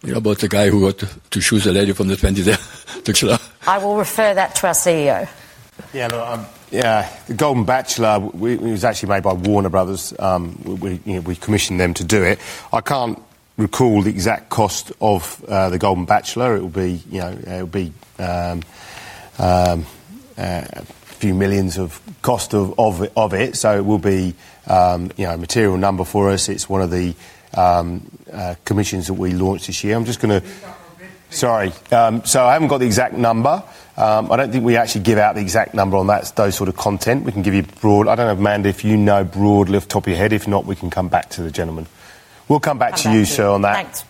You know about the guy who got to choose a lady from the 20th Bachelor? I will refer that to our CEO. Yeah, look, yeah, The Golden Bachelor, it was actually made by Warner Bros. We commissioned them to do it. I can't recall the exact cost of the Golden Bachelor. It would be a few million of cost of it. So it will be a material number for us. It's one of the commissions that we launched this year. I'm just going to, sorry. So I haven't got the exact number. I don't think we actually give out the exact number on those sort of content. We can give you broad, I don't know, Amanda, if you know broadly off the top of your head. If not, we can come back to the gentleman. We'll come back to you, sir, on that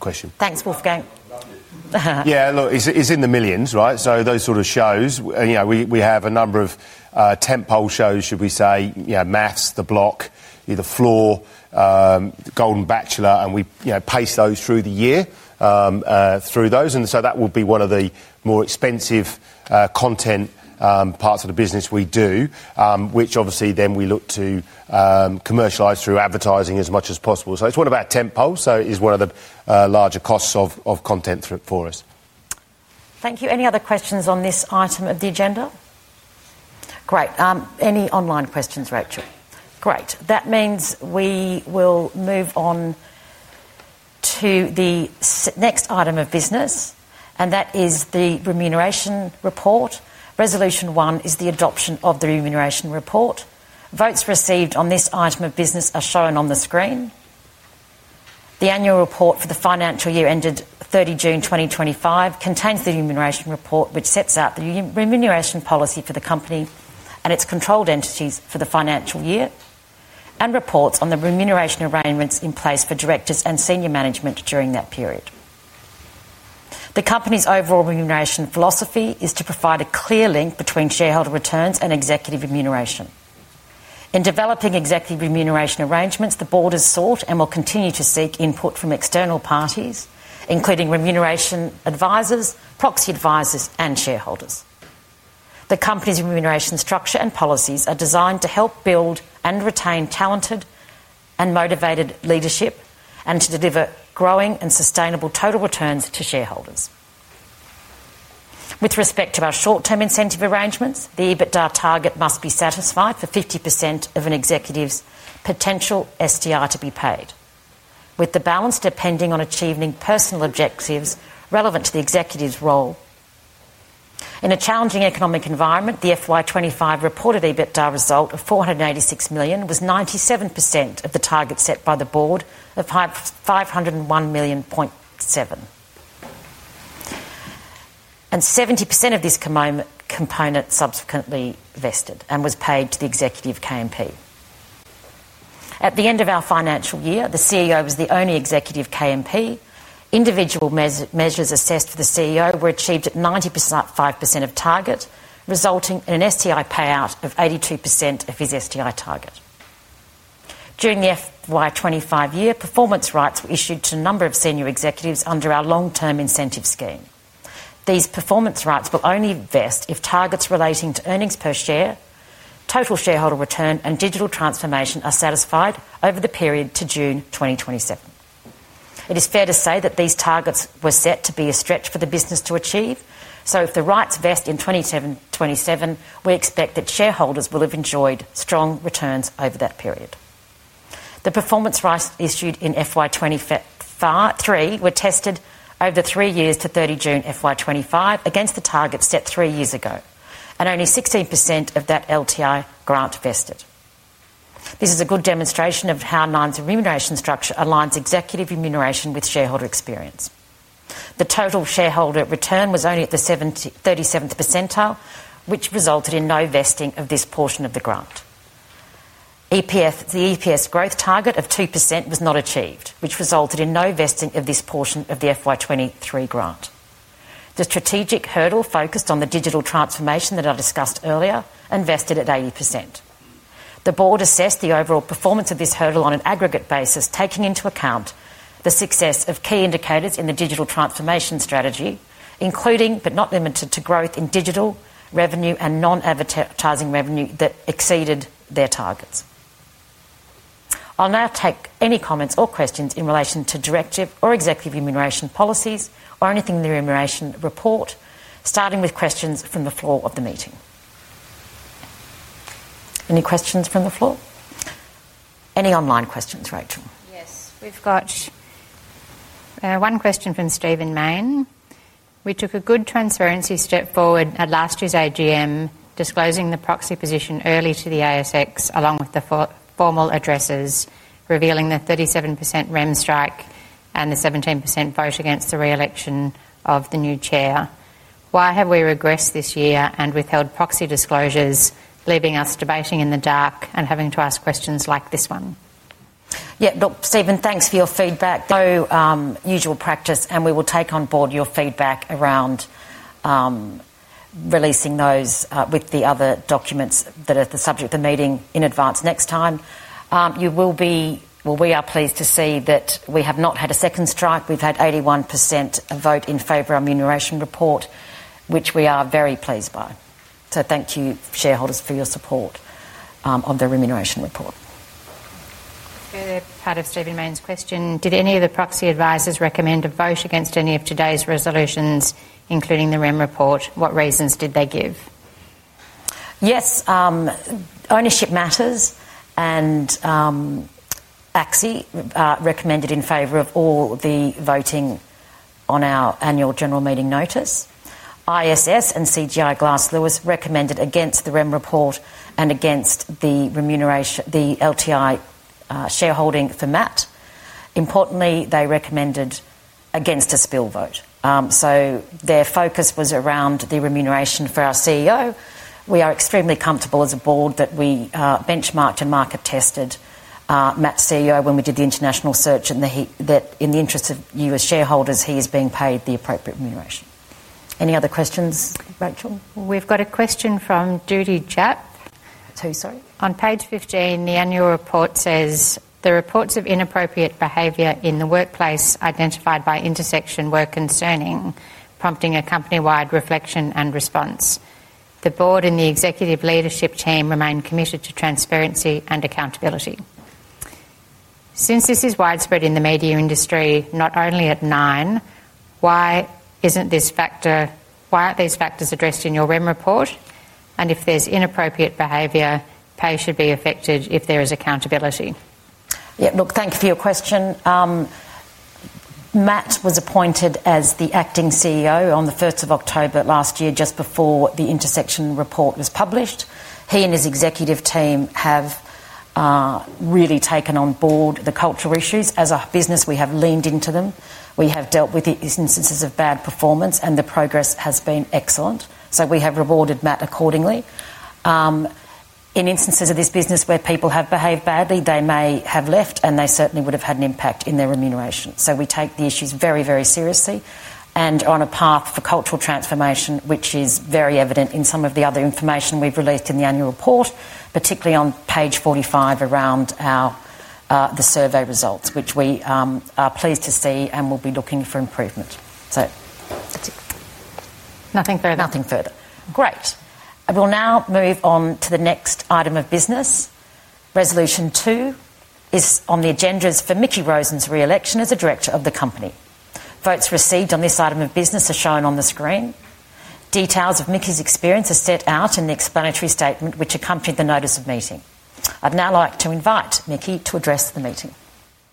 question. Thanks. Thanks, Wolfgang. Yeah, look, it's in the millions, right? So those sort of shows, we have a number of. Tentpole shows, should we say, MAFS, The Block, The Floor, Golden Bachelor, and we pace those through the year. Through those. And that will be one of the more expensive content parts of the business we do, which obviously then we look to commercialize through advertising as much as possible. It is one of our tentpoles, so it is one of the larger costs of content for us. Thank you. Any other questions on this item of the agenda? Great. Any online questions, Rachel? Great. That means we will move on to the next item of business, and that is the remuneration report. Resolution 1 is the adoption of the remuneration report. Votes received on this item of business are shown on the screen. The annual report for the financial year ended 30 June 2025 contains the remuneration report, which sets out the remuneration policy for the company and its controlled entities for the financial year, and reports on the remuneration arrangements in place for directors and senior management during that period. The company's overall remuneration philosophy is to provide a clear link between shareholder returns and executive remuneration. In developing executive remuneration arrangements, the board has sought and will continue to seek input from external parties, including remuneration advisors, proxy advisors, and shareholders. The company's remuneration structure and policies are designed to help build and retain talented and motivated leadership and to deliver growing and sustainable total returns to shareholders. With respect to our short-term incentive arrangements, the EBITDA target must be satisfied for 50% of an executive's potential STI to be paid, with the balance depending on achieving personal objectives relevant to the executive's role. In a challenging economic environment, the FY 2025 reported EBITDA result of 486 million was 97% of the target set by the board of 501.7 million. 70% of this component subsequently vested and was paid to the executive KMP. At the end of our financial year, the CEO was the only executive KMP. Individual measures assessed for the CEO were achieved at 95% of target, resulting in an STI payout of 82% of his STI target. During the FY 2025 year, performance rights were issued to a number of senior executives under our long-term incentive scheme. These performance rights will only vest if targets relating to earnings per share, total shareholder return, and digital transformation are satisfied over the period to June 2027. It is fair to say that these targets were set to be a stretch for the business to achieve. If the rights vest in 2027, we expect that shareholders will have enjoyed strong returns over that period. The performance rights issued in FY23 were tested over three years to 30 June 2025 against the targets set three years ago, and only 16% of that LTI grant vested. This is a good demonstration of how Nine's remuneration structure aligns executive remuneration with shareholder experience. The total shareholder return was only at the 37th percentile, which resulted in no vesting of this portion of the grant. The EPS growth target of 2% was not achieved, which resulted in no vesting of this portion of the FY 2023 grant. The strategic hurdle focused on the digital transformation that I discussed earlier and vested at 80%. The board assessed the overall performance of this hurdle on an aggregate basis, taking into account the success of key indicators in the digital transformation strategy, including, but not limited to, growth in digital revenue and non-advertising revenue that exceeded their targets. I'll now take any comments or questions in relation to director or executive remuneration policies or anything in the remuneration report, starting with questions from the floor of the meeting. Any questions from the floor? Any online questions, Rachel? Yes. We've got one question from Stephen Mayne. We took a good transparency step forward at last year's AGM, disclosing the proxy position early to the ASX, along with the formal addresses, revealing the 37% rem strike and the 17% vote against the re-election of the new chair. Why have we regressed this year and withheld proxy disclosures, leaving us debating in the dark and having to ask questions like this one? Yeah. Look, Stephen, thanks for your feedback. No, usual practice, and we will take on board your feedback around releasing those with the other documents that are the subject of the meeting in advance next time. You will be, well, we are pleased to see that we have not had a second strike. We have had 81% vote in favor of our remuneration report, which we are very pleased by. Thank you, shareholders, for your support of the remuneration report. Part of Stephen Mayne's question. Did any of the proxy advisors recommend a vote against any of today's resolutions, including the rem report? What reasons did they give? Yes. Ownership Matters and ACSI recommended in favor of all the voting on our annual general meeting notice. ISS and CGI Glass Lewis recommended against the rem report and against the. LTI shareholding for Matt. Importantly, they recommended against a spill vote. Their focus was around the remuneration for our CEO. We are extremely comfortable as a board that we benchmarked and market tested Matt's CEO when we did the international search and that in the interest of you as shareholders, he is being paid the appropriate remuneration. Any other questions, Rachel? We've got a question from Judy Japp. Two, sorry. On page 15, the annual report says, "The reports of inappropriate behavior in the workplace identified by Intersection were concerning, prompting a company-wide reflection and response. The board and the executive leadership team remain committed to transparency and accountability." Since this is widespread in the media industry, not only at Nine, why is not this factor, why are not these factors addressed in your rem report? If there is inappropriate behavior, pay should be affected if there is accountability. Yeah. Look, thank you for your question. Matt was appointed as the acting CEO on the 1st of October last year, just before the Intersection Report was published. He and his executive team have really taken on board the cultural issues. As a business, we have leaned into them. We have dealt with instances of bad performance, and the progress has been excellent. We have rewarded Matt accordingly. In instances of this business where people have behaved badly, they may have left, and they certainly would have had an impact in their remuneration. We take the issues very, very seriously and are on a path for cultural transformation, which is very evident in some of the other information we've released in the annual report, particularly on page 45 around the survey results, which we are pleased to see and will be looking for improvement. Nothing further. Nothing further. Great. We'll now move on to the next item of business. Resolution 2 is on the agenda is for Mickie Rosen's re-election as a director of the company. Votes received on this item of business are shown on the screen. Details of Mickey's experience are set out in the explanatory statement, which accompanied the notice of meeting. I'd now like to invite Mickey to address the meeting.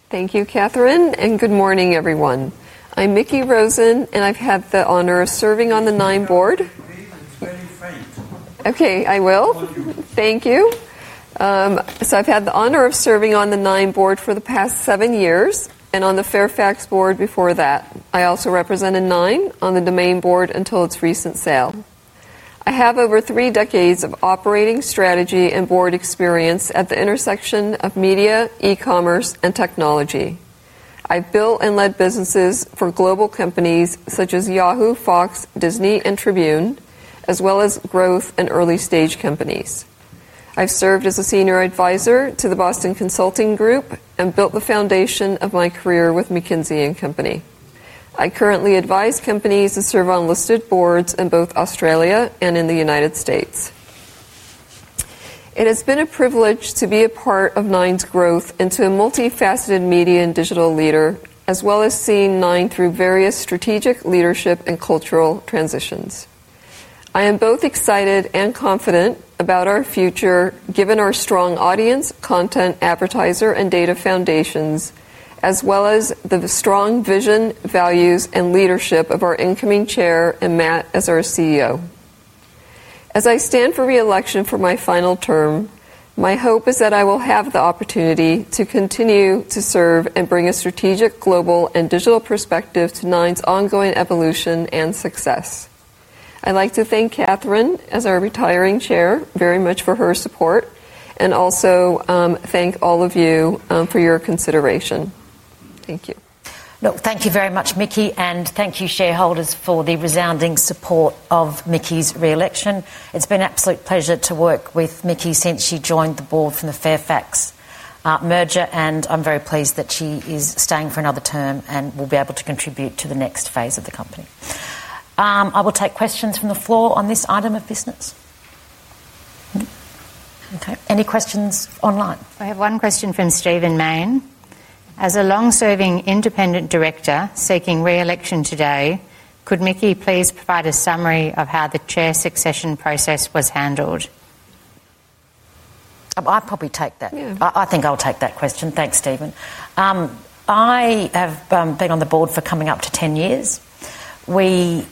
Thank you, Catherine. Good morning, everyone. I'm Mickey Rosen, and I've had the honor of serving on the Nine board. Okay, I will. Thank you. I've had the honor of serving on the Nine board for the past seven years and on the Fairfax board before that. I also represented Nine on the Domain board until its recent sale. I have over three decades of operating strategy and board experience at the intersection of media, e-commerce, and technology. I've built and led businesses for global companies such as Yahoo, Fox, Disney, and Tribune, as well as growth and early-stage companies. I've served as a senior advisor to the Boston Consulting Group and built the foundation of my career with McKinsey & Company. I currently advise companies and serve on listed boards in both Australia and in the United States. It has been a privilege to be a part of Nine's growth into a multifaceted media and digital leader, as well as seeing Nine through various strategic leadership and cultural transitions. I am both excited and confident about our future, given our strong audience, content, advertiser, and data foundations, as well as the strong vision, values, and leadership of our incoming Chair and Matt as our CEO. As I stand for re-election for my final term, my hope is that I will have the opportunity to continue to serve and bring a strategic global and digital perspective to Nine's ongoing evolution and success. I'd like to thank Catherine as our retiring Chair very much for her support and also thank all of you for your consideration. Thank you. Look, thank you very much, Mickey, and thank you, shareholders, for the resounding support of Mickey's re-election. It's been an absolute pleasure to work with Mickey since she joined the board from the Fairfax merger, and I'm very pleased that she is staying for another term and will be able to contribute to the next phase of the company. I will take questions from the floor on this item of business. Okay. Any questions online? I have one question from Stephen Mayne. As a long-serving independent director seeking re-election today, could Mickey please provide a summary of how the chair succession process was handled? I'll probably take that. I think I'll take that question. Thanks, Stephen. I have been on the board for coming up to 10 years. At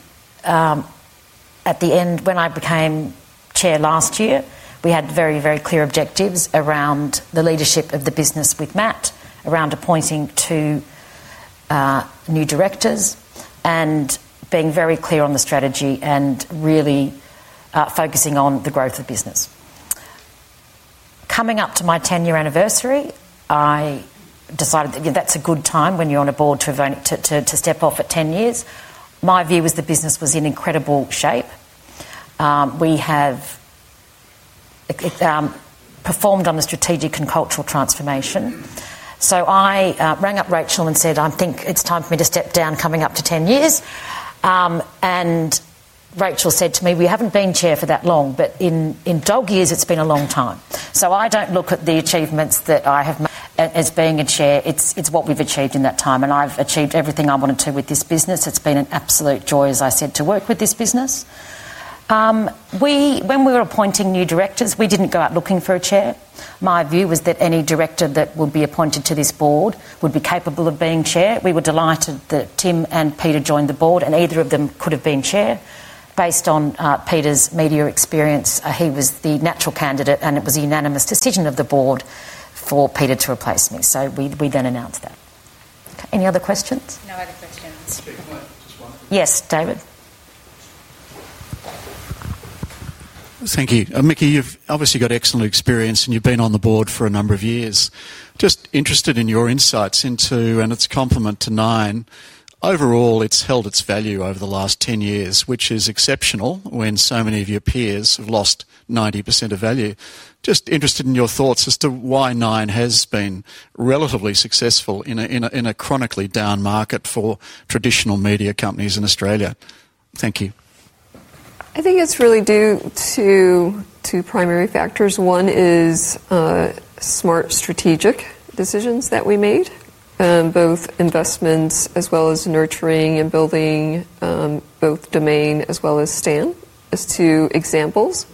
the end, when I became chair last year, we had very, very clear objectives around the leadership of the business with Matt, around appointing two new directors, and being very clear on the strategy and really focusing on the growth of business. Coming up to my 10-year anniversary, I decided that that's a good time when you're on a board to step off at 10 years. My view was the business was in incredible shape. We have performed on the strategic and cultural transformation. I rang up Rachel and said, "I think it's time for me to step down coming up to 10 years." Rachel said to me, "We haven't been chair for that long, but in dog years, it's been a long time." I don't look at the achievements that I have. As being a chair, it's what we've achieved in that time. I've achieved everything I wanted to with this business. It's been an absolute joy, as I said, to work with this business. When we were appointing new directors, we didn't go out looking for a chair. My view was that any director that would be appointed to this board would be capable of being chair. We were delighted that Tim and Peter joined the board, and either of them could have been chair. Based on Peter's media experience, he was the natural candidate, and it was a unanimous decision of the board for Peter to replace me. We then announced that. Any other questions? No other questions. Just one question. Yes, David. Thank you. Mickey, you've obviously got excellent experience, and you've been on the board for a number of years. Just interested in your insights into, and it's a compliment to Nine, overall, it's held its value over the last 10 years, which is exceptional when so many of your peers have lost 90% of value. Just interested in your thoughts as to why Nine has been relatively successful in a chronically down market for traditional media companies in Australia. Thank you. I think it's really due to primary factors. One is smart strategic decisions that we made, both investments as well as nurturing and building both Domain as well as Stan, as two examples,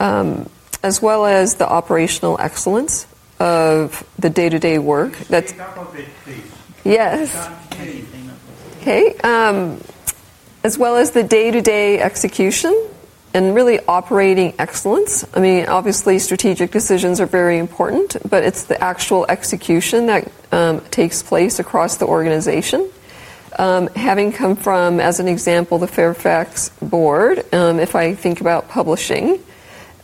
as well as the operational excellence of the day-to-day work. Can we tackle this, please? Yes. Okay. As well as the day-to-day execution and really operating excellence. I mean, obviously, strategic decisions are very important, but it's the actual execution that takes place across the organization. Having come from, as an example, the Fairfax board, if I think about Publishing.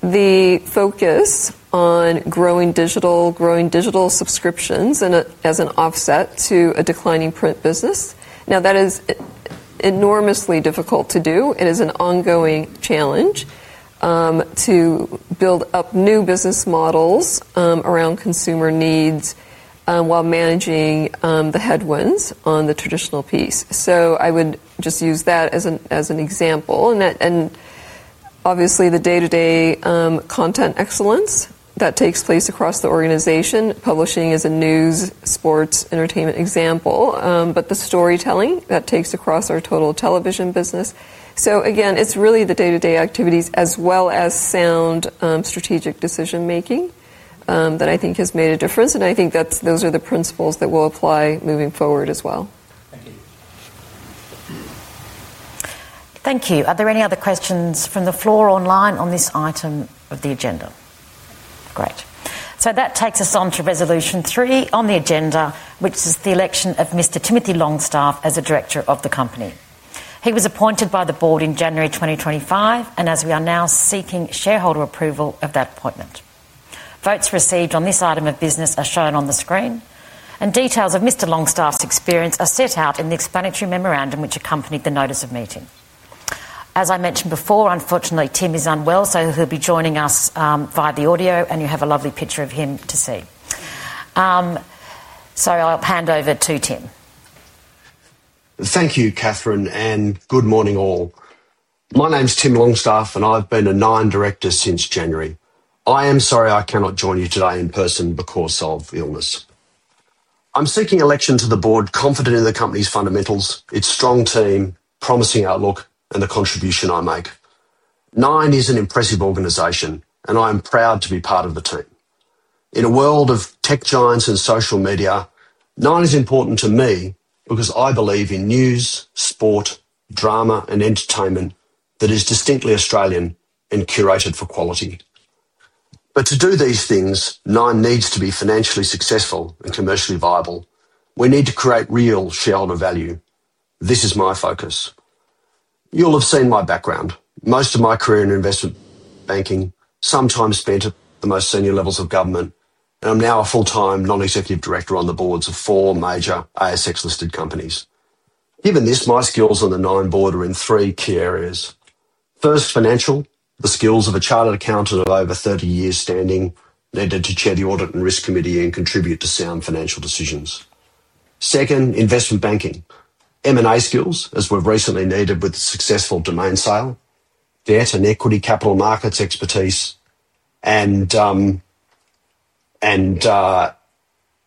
The focus on growing digital, growing digital subscriptions as an offset to a declining print business. Now, that is enormously difficult to do. It is an ongoing challenge to build up new business models around consumer needs while managing the headwinds on the traditional piece. I would just use that as an example. Obviously, the day-to-day content excellence that takes place across the organization, Publishing as a news, sports, entertainment example, but the storytelling that takes across our total television business. Again, it's really the day-to-day activities as well as sound strategic decision-making that I think has made a difference. I think those are the principles that we'll apply moving forward as well. Thank you. Thank you. Are there any other questions from the floor or online on this item of the agenda? Great. That takes us on to resolution three on the agenda, which is the election of Mr. Timothy Longstaff as a director of the company. He was appointed by the board in January 2025, and we are now seeking shareholder approval of that appointment. Votes received on this item of business are shown on the screen, and details of Mr. Longstaff's experience are set out in the explanatory memorandum which accompanied the notice of meeting. As I mentioned before, unfortunately, Tim is unwell, so he'll be joining us via the audio, and you have a lovely picture of him to see. I'll hand over to Tim. Thank you, Catherine, and good morning, all. My name's Tim Longstaff, and I've been a Nine director since January. I am sorry I cannot join you today in person because of illness. I'm seeking election to the board confident in the company's fundamentals, its strong team, promising outlook, and the contribution I make. Nine is an impressive organisation, and I am proud to be part of the team. In a world of tech giants and social media, Nine is important to me because I believe in news, sport, drama, and entertainment that is distinctly Australian and curated for quality. To do these things, Nine needs to be financially successful and commercially viable. We need to create real shareholder value. This is my focus. You'll have seen my background. Most of my career in investment banking sometimes spent at the most senior levels of government, and I'm now a full-time non-executive director on the boards of four major ASX-listed companies. Given this, my skills on the Nine board are in three key areas. First, financial, the skills of a chartered accountant of over 30 years standing needed to chair the audit and risk committee and contribute to sound financial decisions. Second, investment banking, M&A skills, as we've recently needed with the successful Domain sale, debt and equity capital markets expertise, and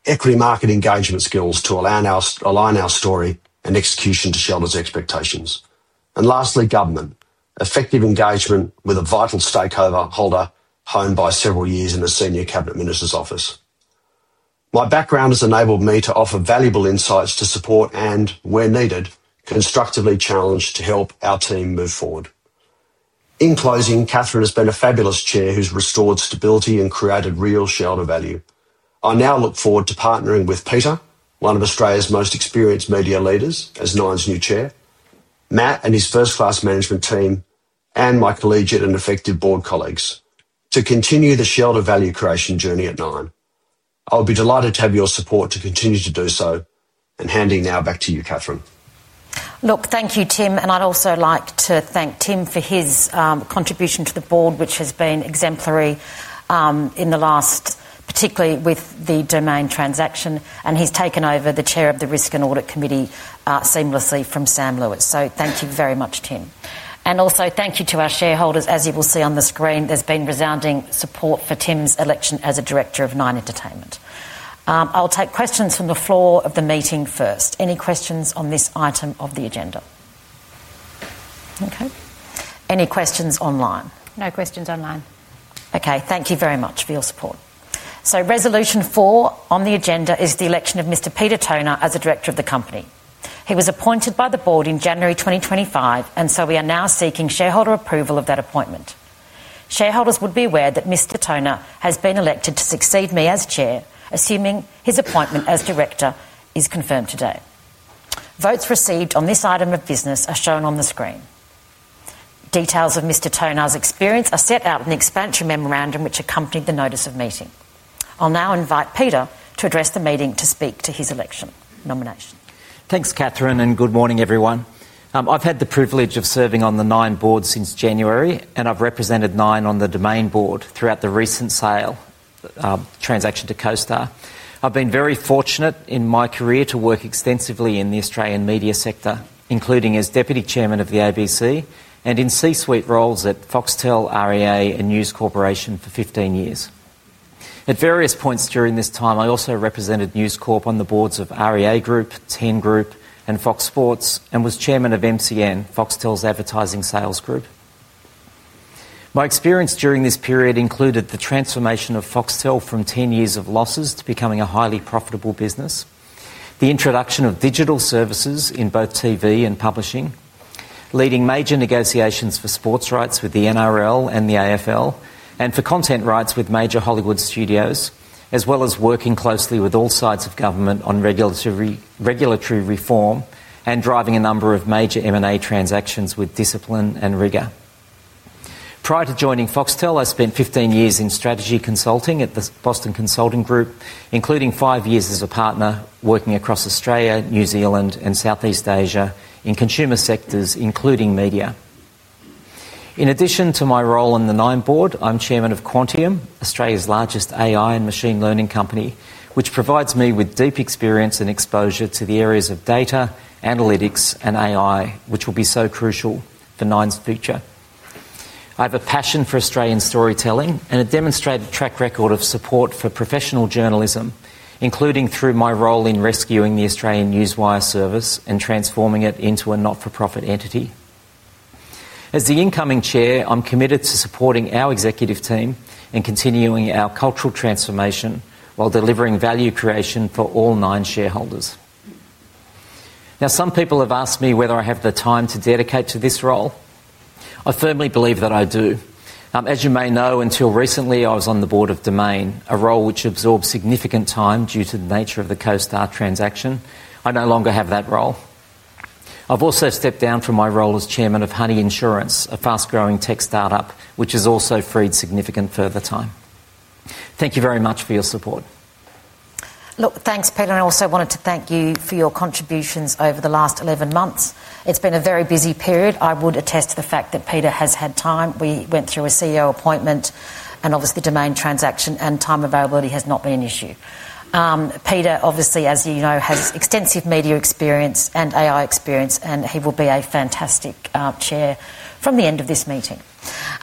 equity market engagement skills to align our story and execution to shareholders' expectations. Lastly, government, effective engagement with a vital stakeholder honed by several years in a senior cabinet minister's office. My background has enabled me to offer valuable insights to support and, where needed, constructively challenge to help our team move forward. In closing, Catherine has been a fabulous chair who's restored stability and created real shareholder value. I now look forward to partnering with Peter, one of Australia's most experienced media leaders as Nine's new chair, Matt and his first-class management team, and my collegiate and effective board colleagues to continue the shareholder value creation journey at Nine. I'll be delighted to have your support to continue to do so. Handing now back to you, Catherine. Look, thank you, Tim. I would also like to thank Tim for his contribution to the board, which has been exemplary in the last. Particularly with the Domain transaction, and he has taken over the chair of the Risk and Audit Committee seamlessly from Sam Lewis. Thank you very much, Tim. I also thank our shareholders. As you will see on the screen, there has been resounding support for Tim's election as a director of Nine Entertainment. I will take questions from the floor of the meeting first. Any questions on this item of the agenda? Okay. Any questions online? No questions online. Okay. Thank you very much for your support. Resolution four on the agenda is the election of Mr. Peter Tonagh as a director of the company. He was appointed by the board in January 2025, and we are now seeking shareholder approval of that appointment. Shareholders would be aware that Mr. Tonagh has been elected to succeed me as Chair, assuming his appointment as director is confirmed today. Votes received on this item of business are shown on the screen. Details of Mr. Tonagh's experience are set out in the expansion memorandum which accompanied the notice of meeting. I'll now invite Peter to address the meeting to speak to his election nomination. Thanks, Catherine, and good morning, everyone. I've had the privilege of serving on the Nine board since January, and I've represented Nine on the Domain board throughout the recent sale transaction to CoStar. I've been very fortunate in my career to work extensively in the Australian media sector, including as Deputy Chairman of the ABC and in C-suite roles at Foxtel, REA, and News Corporation for 15 years. At various points during this time, I also represented News Corp on the boards of REA Group, Ten Group, and Fox Sports, and was Chairman of MCN, Foxtel's advertising sales group. My experience during this period included the transformation of Foxtel from 10 years of losses to becoming a highly profitable business. The introduction of digital services in both TV and Publishing, leading major negotiations for sports rights with the NRL and the AFL, and for content rights with major Hollywood studios, as well as working closely with all sides of government on regulatory reform and driving a number of major M&A transactions with discipline and rigor. Prior to joining Foxtel, I spent 15 years in strategy consulting at the Boston Consulting Group, including five years as a partner working across Australia, New Zealand, and Southeast Asia in consumer sectors, including media. In addition to my role on the Nine board, I'm chairman of Quantium, Australia's largest AI and machine learning company, which provides me with deep experience and exposure to the areas of data, analytics, and AI, which will be so crucial for Nine's future. I have a passion for Australian storytelling and a demonstrated track record of support for professional journalism, including through my role in rescuing the Australian newswire service and transforming it into a not-for-profit entity. As the incoming Chair, I'm committed to supporting our executive team and continuing our cultural transformation while delivering value creation for all Nine shareholders. Now, some people have asked me whether I have the time to dedicate to this role. I firmly believe that I do. As you may know, until recently, I was on the board of Domain, a role which absorbed significant time due to the nature of the CoStar transaction. I no longer have that role. I've also stepped down from my role as Chairman of Honey Insurance, a fast-growing tech startup, which has also freed significant further time. Thank you very much for your support. Look, thanks, Peter. I also wanted to thank you for your contributions over the last 11 months. It's been a very busy period. I would attest to the fact that Peter has had time. We went through a CEO appointment, and obviously, the Domain transaction and time availability has not been an issue. Peter, obviously, as you know, has extensive media experience and AI experience, and he will be a fantastic chair from the end of this meeting.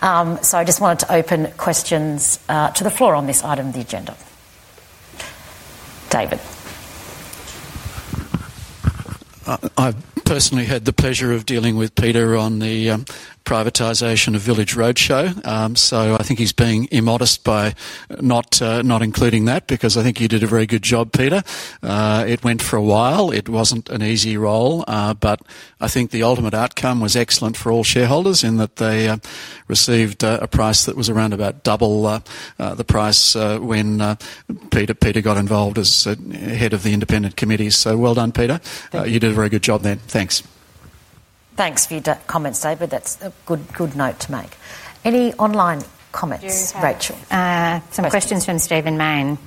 I just wanted to open questions to the floor on this item of the agenda. David. I've personally had the pleasure of dealing with Peter on the privatisation of Village Roadshow. I think he's being immodest by not including that because I think you did a very good job, Peter. It went for a while. It wasn't an easy role, but I think the ultimate outcome was excellent for all shareholders in that they received a price that was around about double the price when Peter got involved as head of the independent committee. Well done, Peter. You did a very good job then. Thanks. Thanks for your comments, David. That's a good note to make. Any online comments, Rachel? Some questions from Stephen Mayne.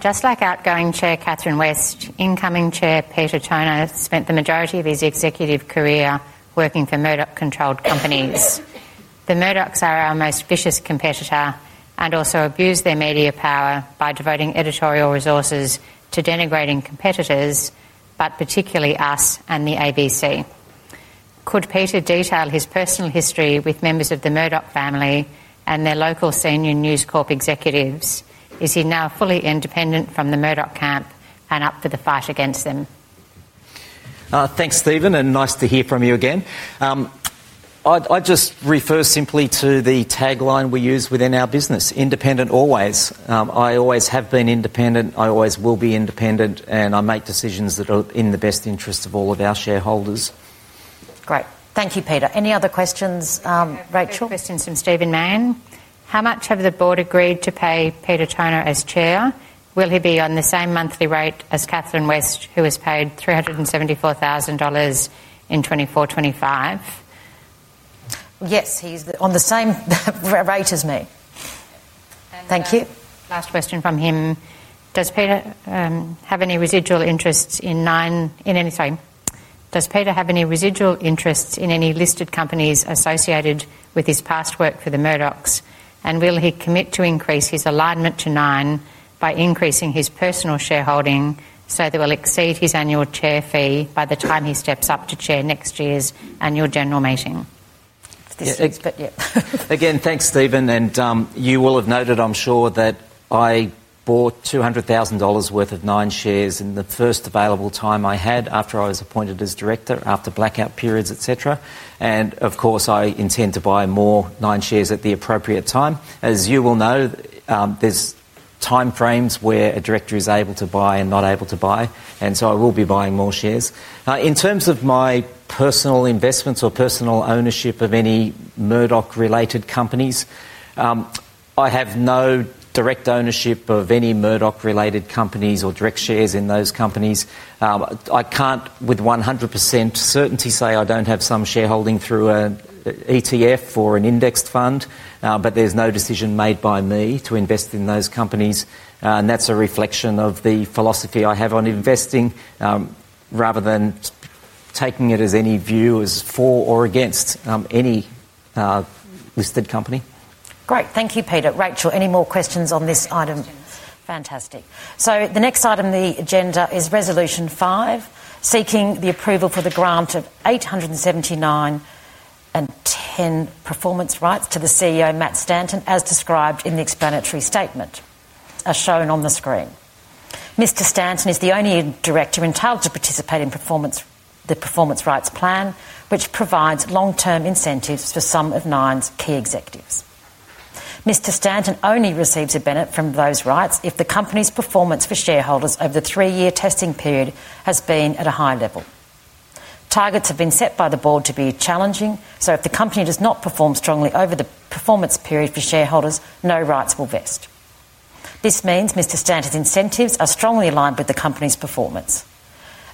Just like outgoing Chair Catherine West, incoming Chair Peter Tonagh spent the majority of his executive career working for Murdoch-controlled companies. The Murdochs are our most vicious competitor and also abuse their media power by devoting editorial resources to denigrating competitors, but particularly us and the ABC. Could Peter detail his personal history with members of the Murdoch family and their local senior News Corporation executives? Is he now fully independent from the Murdoch camp and up for the fight against them? Thanks, Stephen, and nice to hear from you again. I'd just refer simply to the tagline we use within our business, independent always. I always have been independent. I always will be independent, and I make decisions that are in the best interest of all of our shareholders. Great. Thank you, Peter. Any other questions, Rachel? Questions from Stephen Mayne. How much have the board agreed to pay Peter Tonagh as chair? Will he be on the same monthly rate as Catherine West, who was paid 374,000 dollars in 2024-2025? Yes, he's on the same rate as me. Thank you. Last question from him. Does Peter have any residual interest in Nine? Sorry. Does Peter have any residual interest in any listed companies associated with his past work for the Murdochs? Will he commit to increase his alignment to Nine by increasing his personal shareholding so that it will exceed his annual chair fee by the time he steps up to chair next year's annual general meeting? Again, thanks, Stephen. You will have noted, I'm sure, that I bought 200,000 dollars worth of Nine shares in the first available time I had after I was appointed as director, after blackout periods, etc. Of course, I intend to buy more Nine shares at the appropriate time. As you will know, there are timeframes where a director is able to buy and not able to buy, and I will be buying more shares. In terms of my personal investments or personal ownership of any Murdoch-related companies, I have no direct ownership of any Murdoch-related companies or direct shares in those companies. I can't with 100% certainty say I don't have some shareholding through an ETF or an indexed fund, but there's no decision made by me to invest in those companies. That's a reflection of the philosophy I have on investing. Rather than taking it as any view as for or against any listed company. Great. Thank you, Peter. Rachel, any more questions on this item? Fantastic. The next item on the agenda is Resolution 5, seeking the approval for the grant of 879.10 performance rights to the CEO, Matt Stanton, as described in the explanatory statement. Are shown on the screen. Mr. Stanton is the only director entitled to participate in the performance rights plan, which provides long-term incentives for some of Nine's key executives. Mr. Stanton only receives a benefit from those rights if the company's performance for shareholders over the three-year testing period has been at a high level. Targets have been set by the board to be challenging, so if the company does not perform strongly over the performance period for shareholders, no rights will vest. This means Mr. Stanton's incentives are strongly aligned with the company's performance.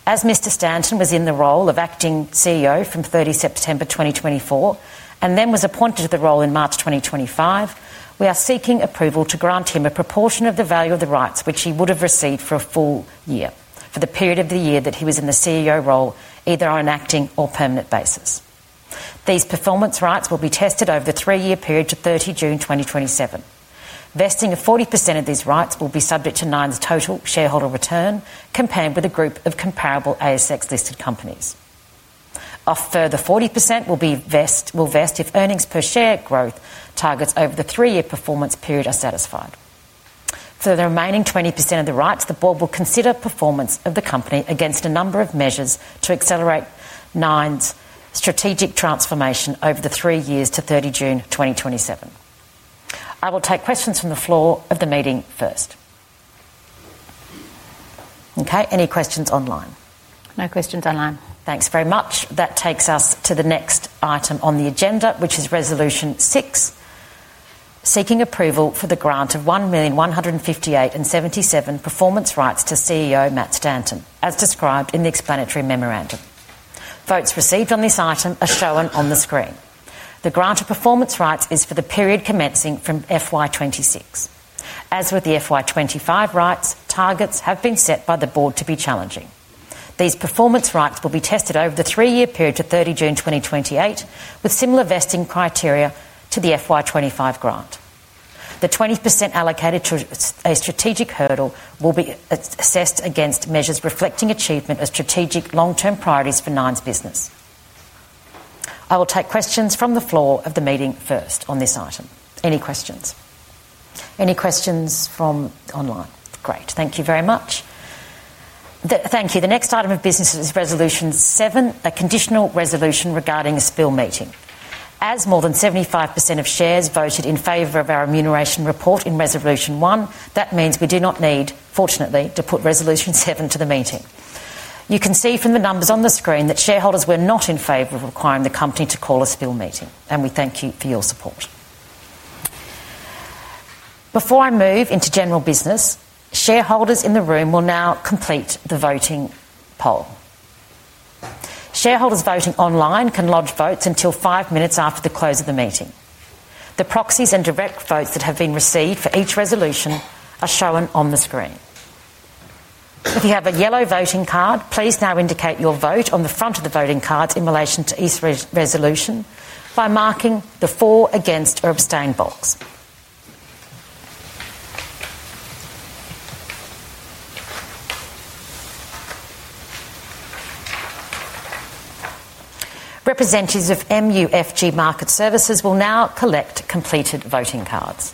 As Mr. Stanton was in the role of Acting CEO from 30 September 2024 and then was appointed to the role in March 2025, we are seeking approval to grant him a proportion of the value of the rights which he would have received for a full year for the period of the year that he was in the CEO role either on an acting or permanent basis. These performance rights will be tested over the three-year period to 30 June 2027. Vesting of 40% of these rights will be subject to Nine's total shareholder return, compared with a group of comparable ASX-listed companies. A further 40% will vest if earnings per share growth targets over the three-year performance period are satisfied. For the remaining 20% of the rights, the board will consider performance of the company against a number of measures to accelerate Nine's strategic transformation over the three years to 30 June 2027. I will take questions from the floor of the meeting first. Okay. Any questions online? No questions online. Thanks very much. That takes us to the next item on the agenda, which is Resolution 6x, seeking approval for the grant of 1,158.77 performance rights to CEO Matt Stanton, as described in the explanatory memorandum. Votes received on this item are shown on the screen. The grant of performance rights is for the period commencing from FY 2026. As with the FY 2025 rights, targets have been set by the board to be challenging. These performance rights will be tested over the three-year period to 30 June 2028, with similar vesting criteria to the FY 2025 grant. The 20% allocated to a strategic hurdle will be assessed against measures reflecting achievement of strategic long-term priorities for Nine's business. I will take questions from the floor of the meeting first on this item. Any questions? Any questions from online? Great. Thank you very much. Thank you. The next item of business is Resolution 7, a conditional resolution regarding a spill meeting. As more than 75% of shares voted in favor of our remuneration report in Resolution 1, that means we do not need, fortunately, to put Resolution 7 to the meeting. You can see from the numbers on the screen that shareholders were not in favor of requiring the company to call a spill meeting, and we thank you for your support. Before I move into general business, shareholders in the room will now complete the voting poll. Shareholders voting online can lodge votes until five minutes after the close of the meeting. The proxies and direct votes that have been received for each resolution are shown on the screen. If you have a yellow voting card, please now indicate your vote on the front of the voting cards in relation to each resolution by marking the for, against, or abstain box. Representatives of MUFG Market Services will now collect completed voting cards.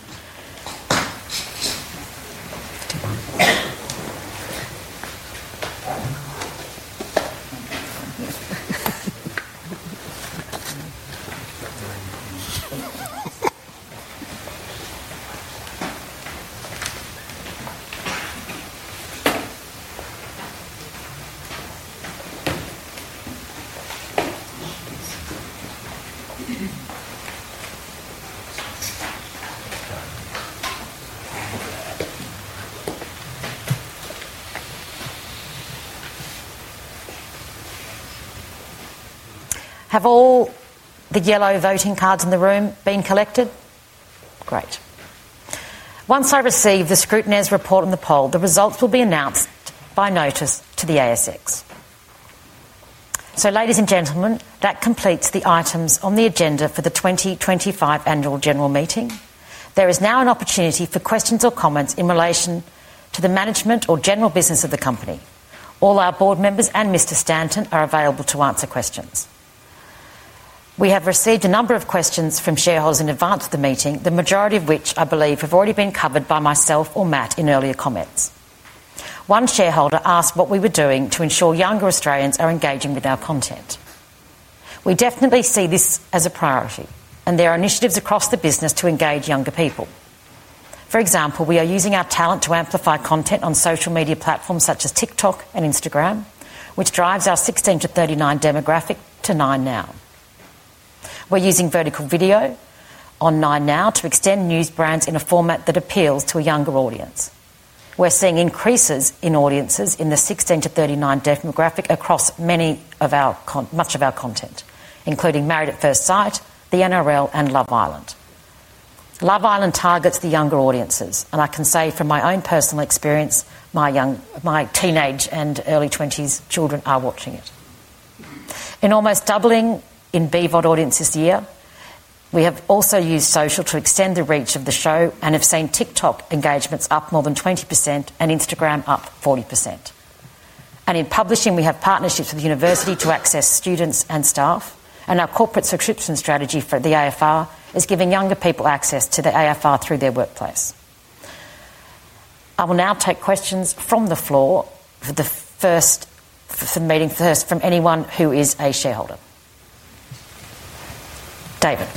Have all the yellow voting cards in the room been collected? Great. Once I receive the scrutineer's report on the poll, the results will be announced by notice to the ASX. Ladies and gentlemen, that completes the items on the agenda for the 2025 annual general meeting. There is now an opportunity for questions or comments in relation to the management or general business of the company. All our board members and Mr. Stanton are available to answer questions. We have received a number of questions from shareholders in advance of the meeting, the majority of which I believe have already been covered by myself or Matt in earlier comments. One shareholder asked what we were doing to ensure younger Australians are engaging with our content. We definitely see this as a priority, and there are initiatives across the business to engage younger people. For example, we are using our talent to amplify content on social media platforms such as TikTok and Instagram, which drives our 16-39 demographic to 9Now. We're using vertical video on 9Now to extend news brands in a format that appeals to a younger audience. We're seeing increases in audiences in the 16-39 demographic across much of our content, including Married at First Sight, The NRL, and Love Island. Love Island targets the younger audiences, and I can say from my own personal experience, my teenage and early twenties children are watching it. In almost doubling in BVOD audience this year, we have also used social to extend the reach of the show and have seen TikTok engagements up more than 20% and Instagram up 40%. In Publishing, we have partnerships with the university to access students and staff, and our corporate subscription strategy for the AFR is giving younger people access to the AFR through their workplace. I will now take questions from the floor for the first. Meeting first from anyone who is a shareholder. David.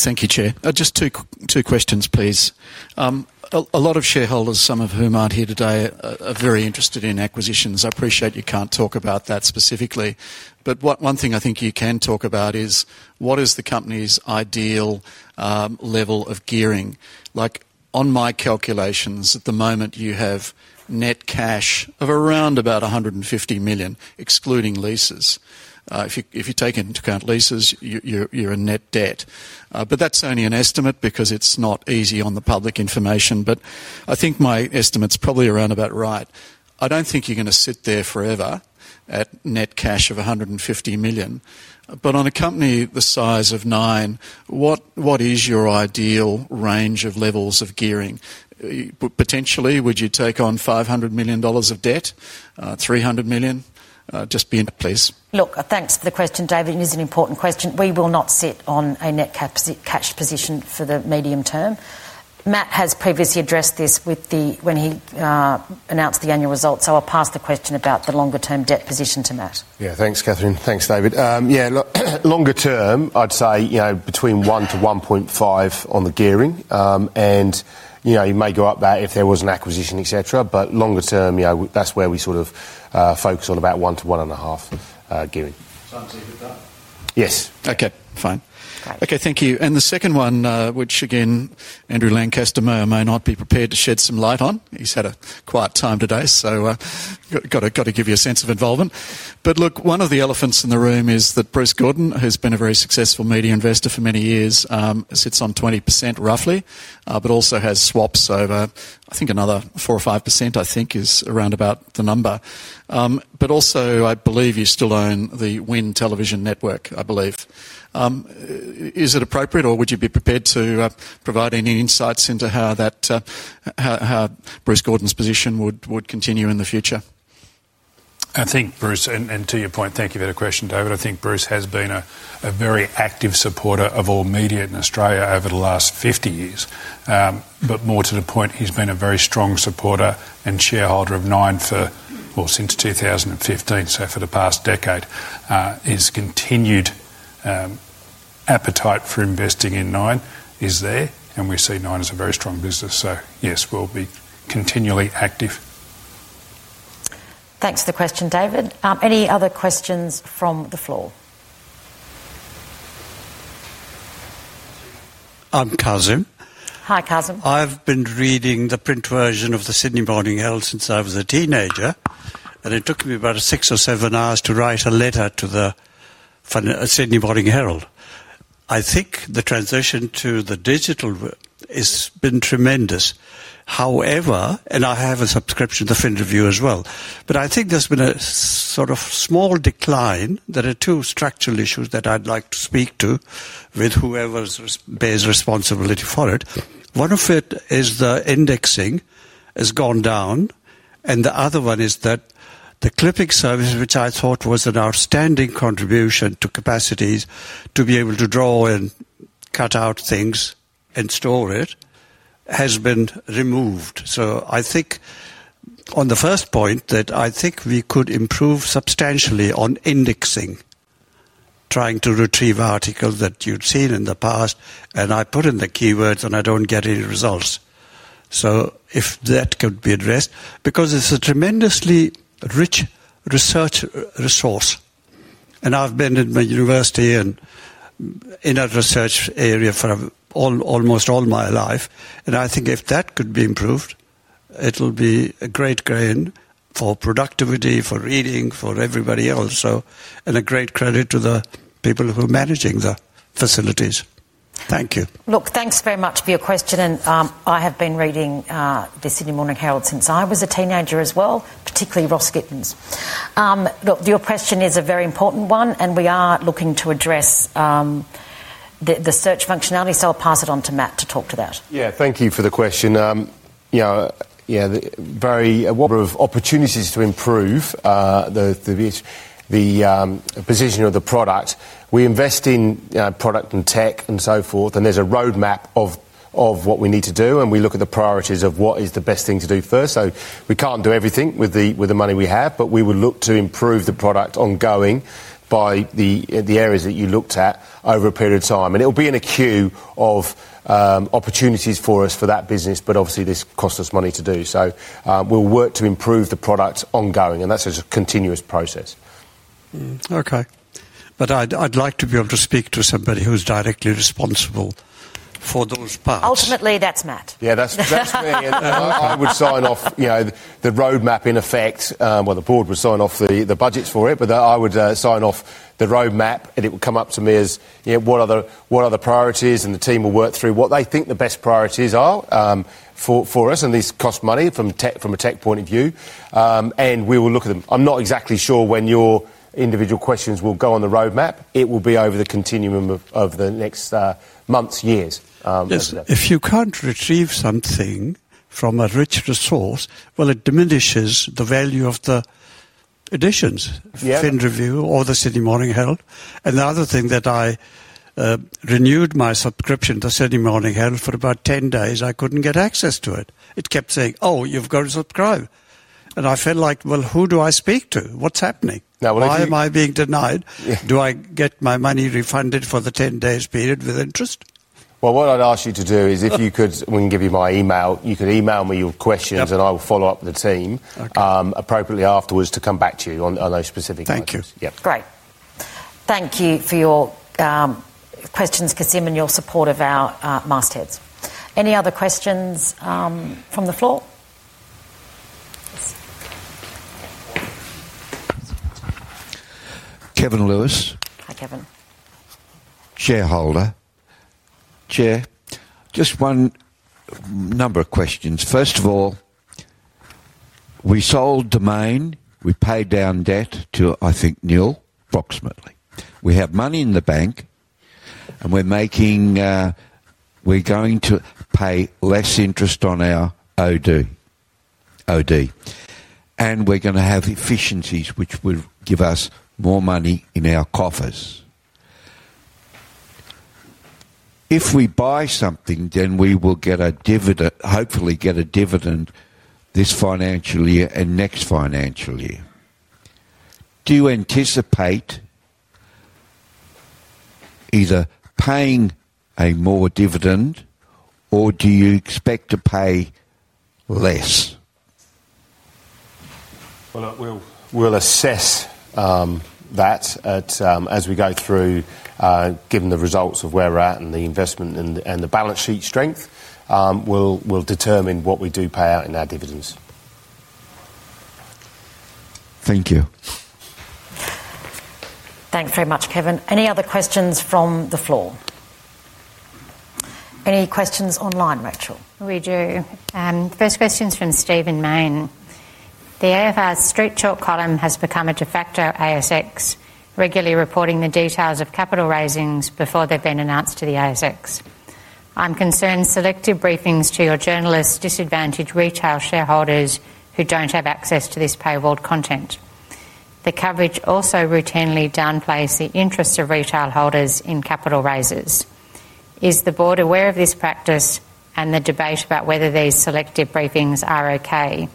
Thank you, Chair. Just two questions, please. A lot of shareholders, some of whom aren't here today, are very interested in acquisitions. I appreciate you can't talk about that specifically, but one thing I think you can talk about is what is the company's ideal level of gearing? On my calculations, at the moment, you have net cash of around about 150 million, excluding leases. If you take into account leases, you're in net debt. That's only an estimate because it's not easy on the public information. I think my estimate's probably around about right. I don't think you're going to sit there forever at net cash of 150 million. On a company the size of Nine, what is your ideal range of levels of gearing? Potentially, would you take on 500 million dollars of debt, 300 million? Just be. Please. Look, thanks for the question, David. It is an important question. We will not sit on a net cash position for the medium term. Matt has previously addressed this when he announced the annual results, so I'll pass the question about the longer-term debt position to Matt. Yeah, thanks, Catherine. Thanks, David. Yeah, longer term, I'd say between 1 to 1.5 on the gearing. You may go up that if there was an acquisition, etc., but longer term, that's where we sort of focus on, about 1 to 1.5 gearing. Yes. Okay, fine. Okay, thank you. The second one, which again, Andrew Lancaster may or may not be prepared to shed some light on. He's had a quiet time today, so got to give you a sense of involvement. One of the elephants in the room is that Bruce Gordon, who's been a very successful media investor for many years, sits on 20% roughly, but also has swaps over, I think, another 4-5%, I think, is around about the number. I believe you still own the WIN Television Network, I believe. Is it appropriate, or would you be prepared to provide any insights into how Bruce Gordon's position would continue in the future? I think, Bruce, and to your point, thank you for the question, David, I think Bruce has been a very active supporter of all media in Australia over the last 50 years. More to the point, he has been a very strong supporter and shareholder of Nine for, well, since 2015, so for the past decade. His continued appetite for investing in Nine is there, and we see Nine as a very strong business. Yes, we will be continually active. Thanks for the question, David. Any other questions from the floor? I'm Kazim. Hi, Kazim. I've been reading the print version of the Sydney Morning Herald since I was a teenager, and it took me about six or seven hours to write a letter to the Sydney Morning Herald. I think the transition to the digital has been tremendous. However, and I have a subscription to Fin Review as well, but I think there's been a sort of small decline that are two structural issues that I'd like to speak to with whoever bears responsibility for it. One of it is the indexing has gone down, and the other one is that the clipping service, which I thought was an outstanding contribution to capacities to be able to draw and cut out things and store it, has been removed. I think on the first point, that I think we could improve substantially on indexing. Trying to retrieve articles that you've seen in the past, and I put in the keywords and I don't get any results. If that could be addressed, because it's a tremendously rich research resource, and I've been in my university and in a research area for almost all my life, and I think if that could be improved, it'll be a great gain for productivity, for reading, for everybody else, and a great credit to the people who are managing the facilities. Thank you. Look, thanks very much for your question, and I have been reading the Sydney Morning Herald since I was a teenager as well, particularly Ross Gittins. Look, your question is a very important one, and we are looking to address. The search functionality, so I'll pass it on to Matt to talk to that. Yeah, thank you for the question. Yeah, very. Of opportunities to improve the position of the product. We invest in product and tech and so forth, and there's a roadmap of what we need to do, and we look at the priorities of what is the best thing to do first. We can't do everything with the money we have, but we would look to improve the product ongoing by the areas that you looked at over a period of time. It'll be in a queue of opportunities for us for that business, but obviously this costs us money to do. We will work to improve the product ongoing, and that's a continuous process. Okay. I would like to be able to speak to somebody who's directly responsible for those parts. Ultimately, that's Matt. Yeah, that's me. I would sign off the roadmap in effect, the board would sign off the budgets for it, but I would sign off the roadmap, and it would come up to me as what are the priorities, and the team will work through what they think the best priorities are for us, and these cost money from a tech point of view, and we will look at them. I'm not exactly sure when your individual questions will go on the roadmap. It will be over the continuum of the next months, years. If you can't retrieve something from a rich resource, it diminishes the value of the editions of [Fin Review] or the Sydney Morning Herald. The other thing is that I renewed my subscription to the Sydney Morning Herald and for about 10 days, I couldn't get access to it. It kept saying, "Oh, you've got to subscribe." I felt like, who do I speak to? What's happening? Now, what I do. Why am I being denied? Do I get my money refunded for the 10 days period with interest? What I'd ask you to do is if you could, I'm going to give you my email, you could email me your questions, and I will follow up with the team. Okay. Appropriately afterwards to come back to you on those specific questions. Thank you. Yeah. Great. Thank you for your questions, Kazim, and your support of our mastheads. Any other questions from the floor? Kevin Lewis. Hi, Kevin. Chair, just one number of questions. First of all, we sold Domain, we paid down debt to, I think, Neil, approximately. We have money in the bank, and we're making. We're going to pay less interest on our OD, and we're going to have efficiencies, which will give us more money in our coffers. If we buy something, then we will get a dividend, hopefully get a dividend this financial year and next financial year. Do you anticipate either paying a more dividend, or do you expect to pay less? We'll assess that as we go through. Given the results of where we're at and the investment and the balance sheet strength, we'll determine what we do pay out in our dividends. Thank you. Thanks very much, Kevin. Any other questions from the floor? Any questions online, Rachel? We do. First question's from Stephen Mayne. The AFR's Street Talk column has become a de facto ASX, regularly reporting the details of capital raisings before they've been announced to the ASX. I'm concerned selective briefings to your journalists disadvantage retail shareholders who don't have access to this paywalled content. The coverage also routinely downplays the interest of retail holders in capital raisers. Is the board aware of this practice and the debate about whether these selective briefings are okay?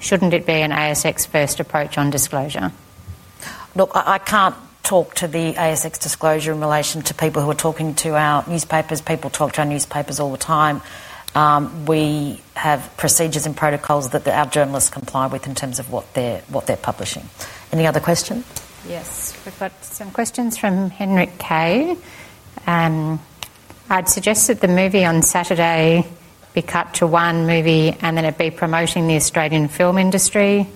Shouldn't it be an ASX-first approach on disclosure? Look, I can't talk to the ASX disclosure in relation to people who are talking to our newspapers. People talk to our newspapers all the time. We have procedures and protocols that our journalists comply with in terms of what they're Publishing. Any other questions? Yes. We've got some questions from Henrik K. I'd suggest that the movie on Saturday be cut to one movie and then it be promoting the Australian film industry.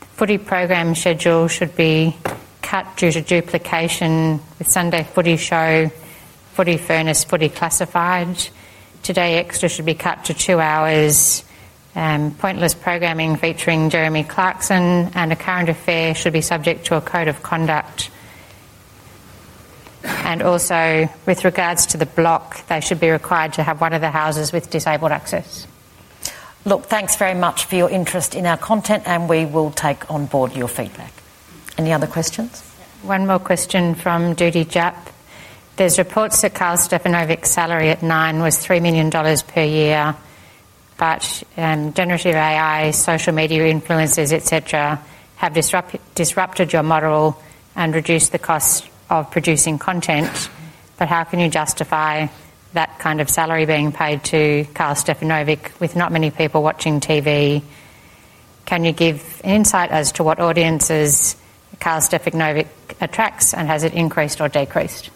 The footy program schedule should be cut due to duplication with Sunday Footy Show, Footy Furnace, Footy Classified. Today Extra should be cut to two hours. Pointless programming featuring Jeremy Clarkson and A Current Affair should be subject to a code of conduct. Also, with regards to The Block, they should be required to have one of the houses with disabled access. Look, thanks very much for your interest in our content, and we will take on board your feedback. Any other questions? One more question from Judy Japp. There are reports that Karl Stefanovic's salary at Nine was 3 million dollars per year, but generative AI, social media influencers, etc., have disrupted your model and reduced the cost of producing content. How can you justify that kind of salary being paid to Karl Stefanovic with not many people watching TV? Can you give insight as to what audiences Karl Stefanovic attracts, and has it increased or decreased?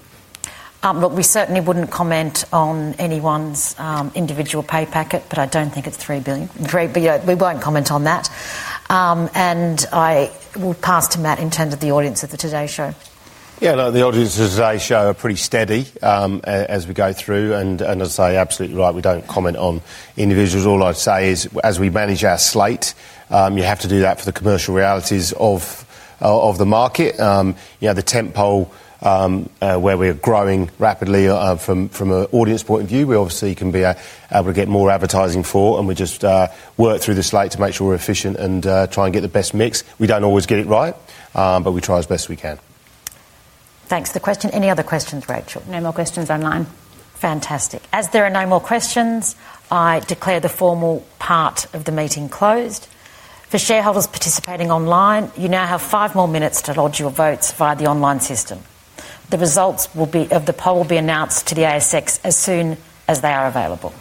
Look, we certainly would not comment on anyone's individual pay packet, but I do not think it is 3 million. We will not comment on that. I will pass to Matt in terms of the audience of the Today show. Yeah, the audience of the Today show are pretty steady as we go through. As I say, absolutely right, we do not comment on individuals. All I would say is, as we manage our slate, you have to do that for the commercial realities of the market. The tempo where we are growing rapidly from an audience point of view, we obviously can be able to get more advertising for, and we just work through the slate to make sure we are efficient and try and get the best mix. We do not always get it right, but we try as best we can. Thanks for the question. Any other questions, Rachel? No more questions online. Fantastic. As there are no more questions, I declare the formal part of the meeting closed. For shareholders participating online, you now have five more minutes to lodge your votes via the online system. The results of the poll will be announced to the ASX as soon as they are available.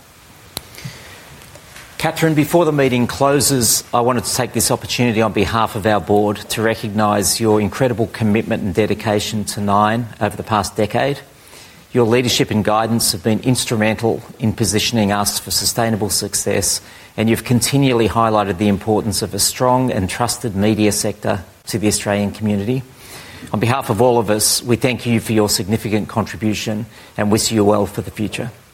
Catherine, before the meeting closes, I wanted to take this opportunity on behalf of our board to recognize your incredible commitment and dedication to Nine over the past decade. Your leadership and guidance have been instrumental in positioning us for sustainable success, and you've continually highlighted the importance of a strong and trusted media sector to the Australian community. On behalf of all of us, we thank you for your significant contribution and wish you well for the future. Thank you.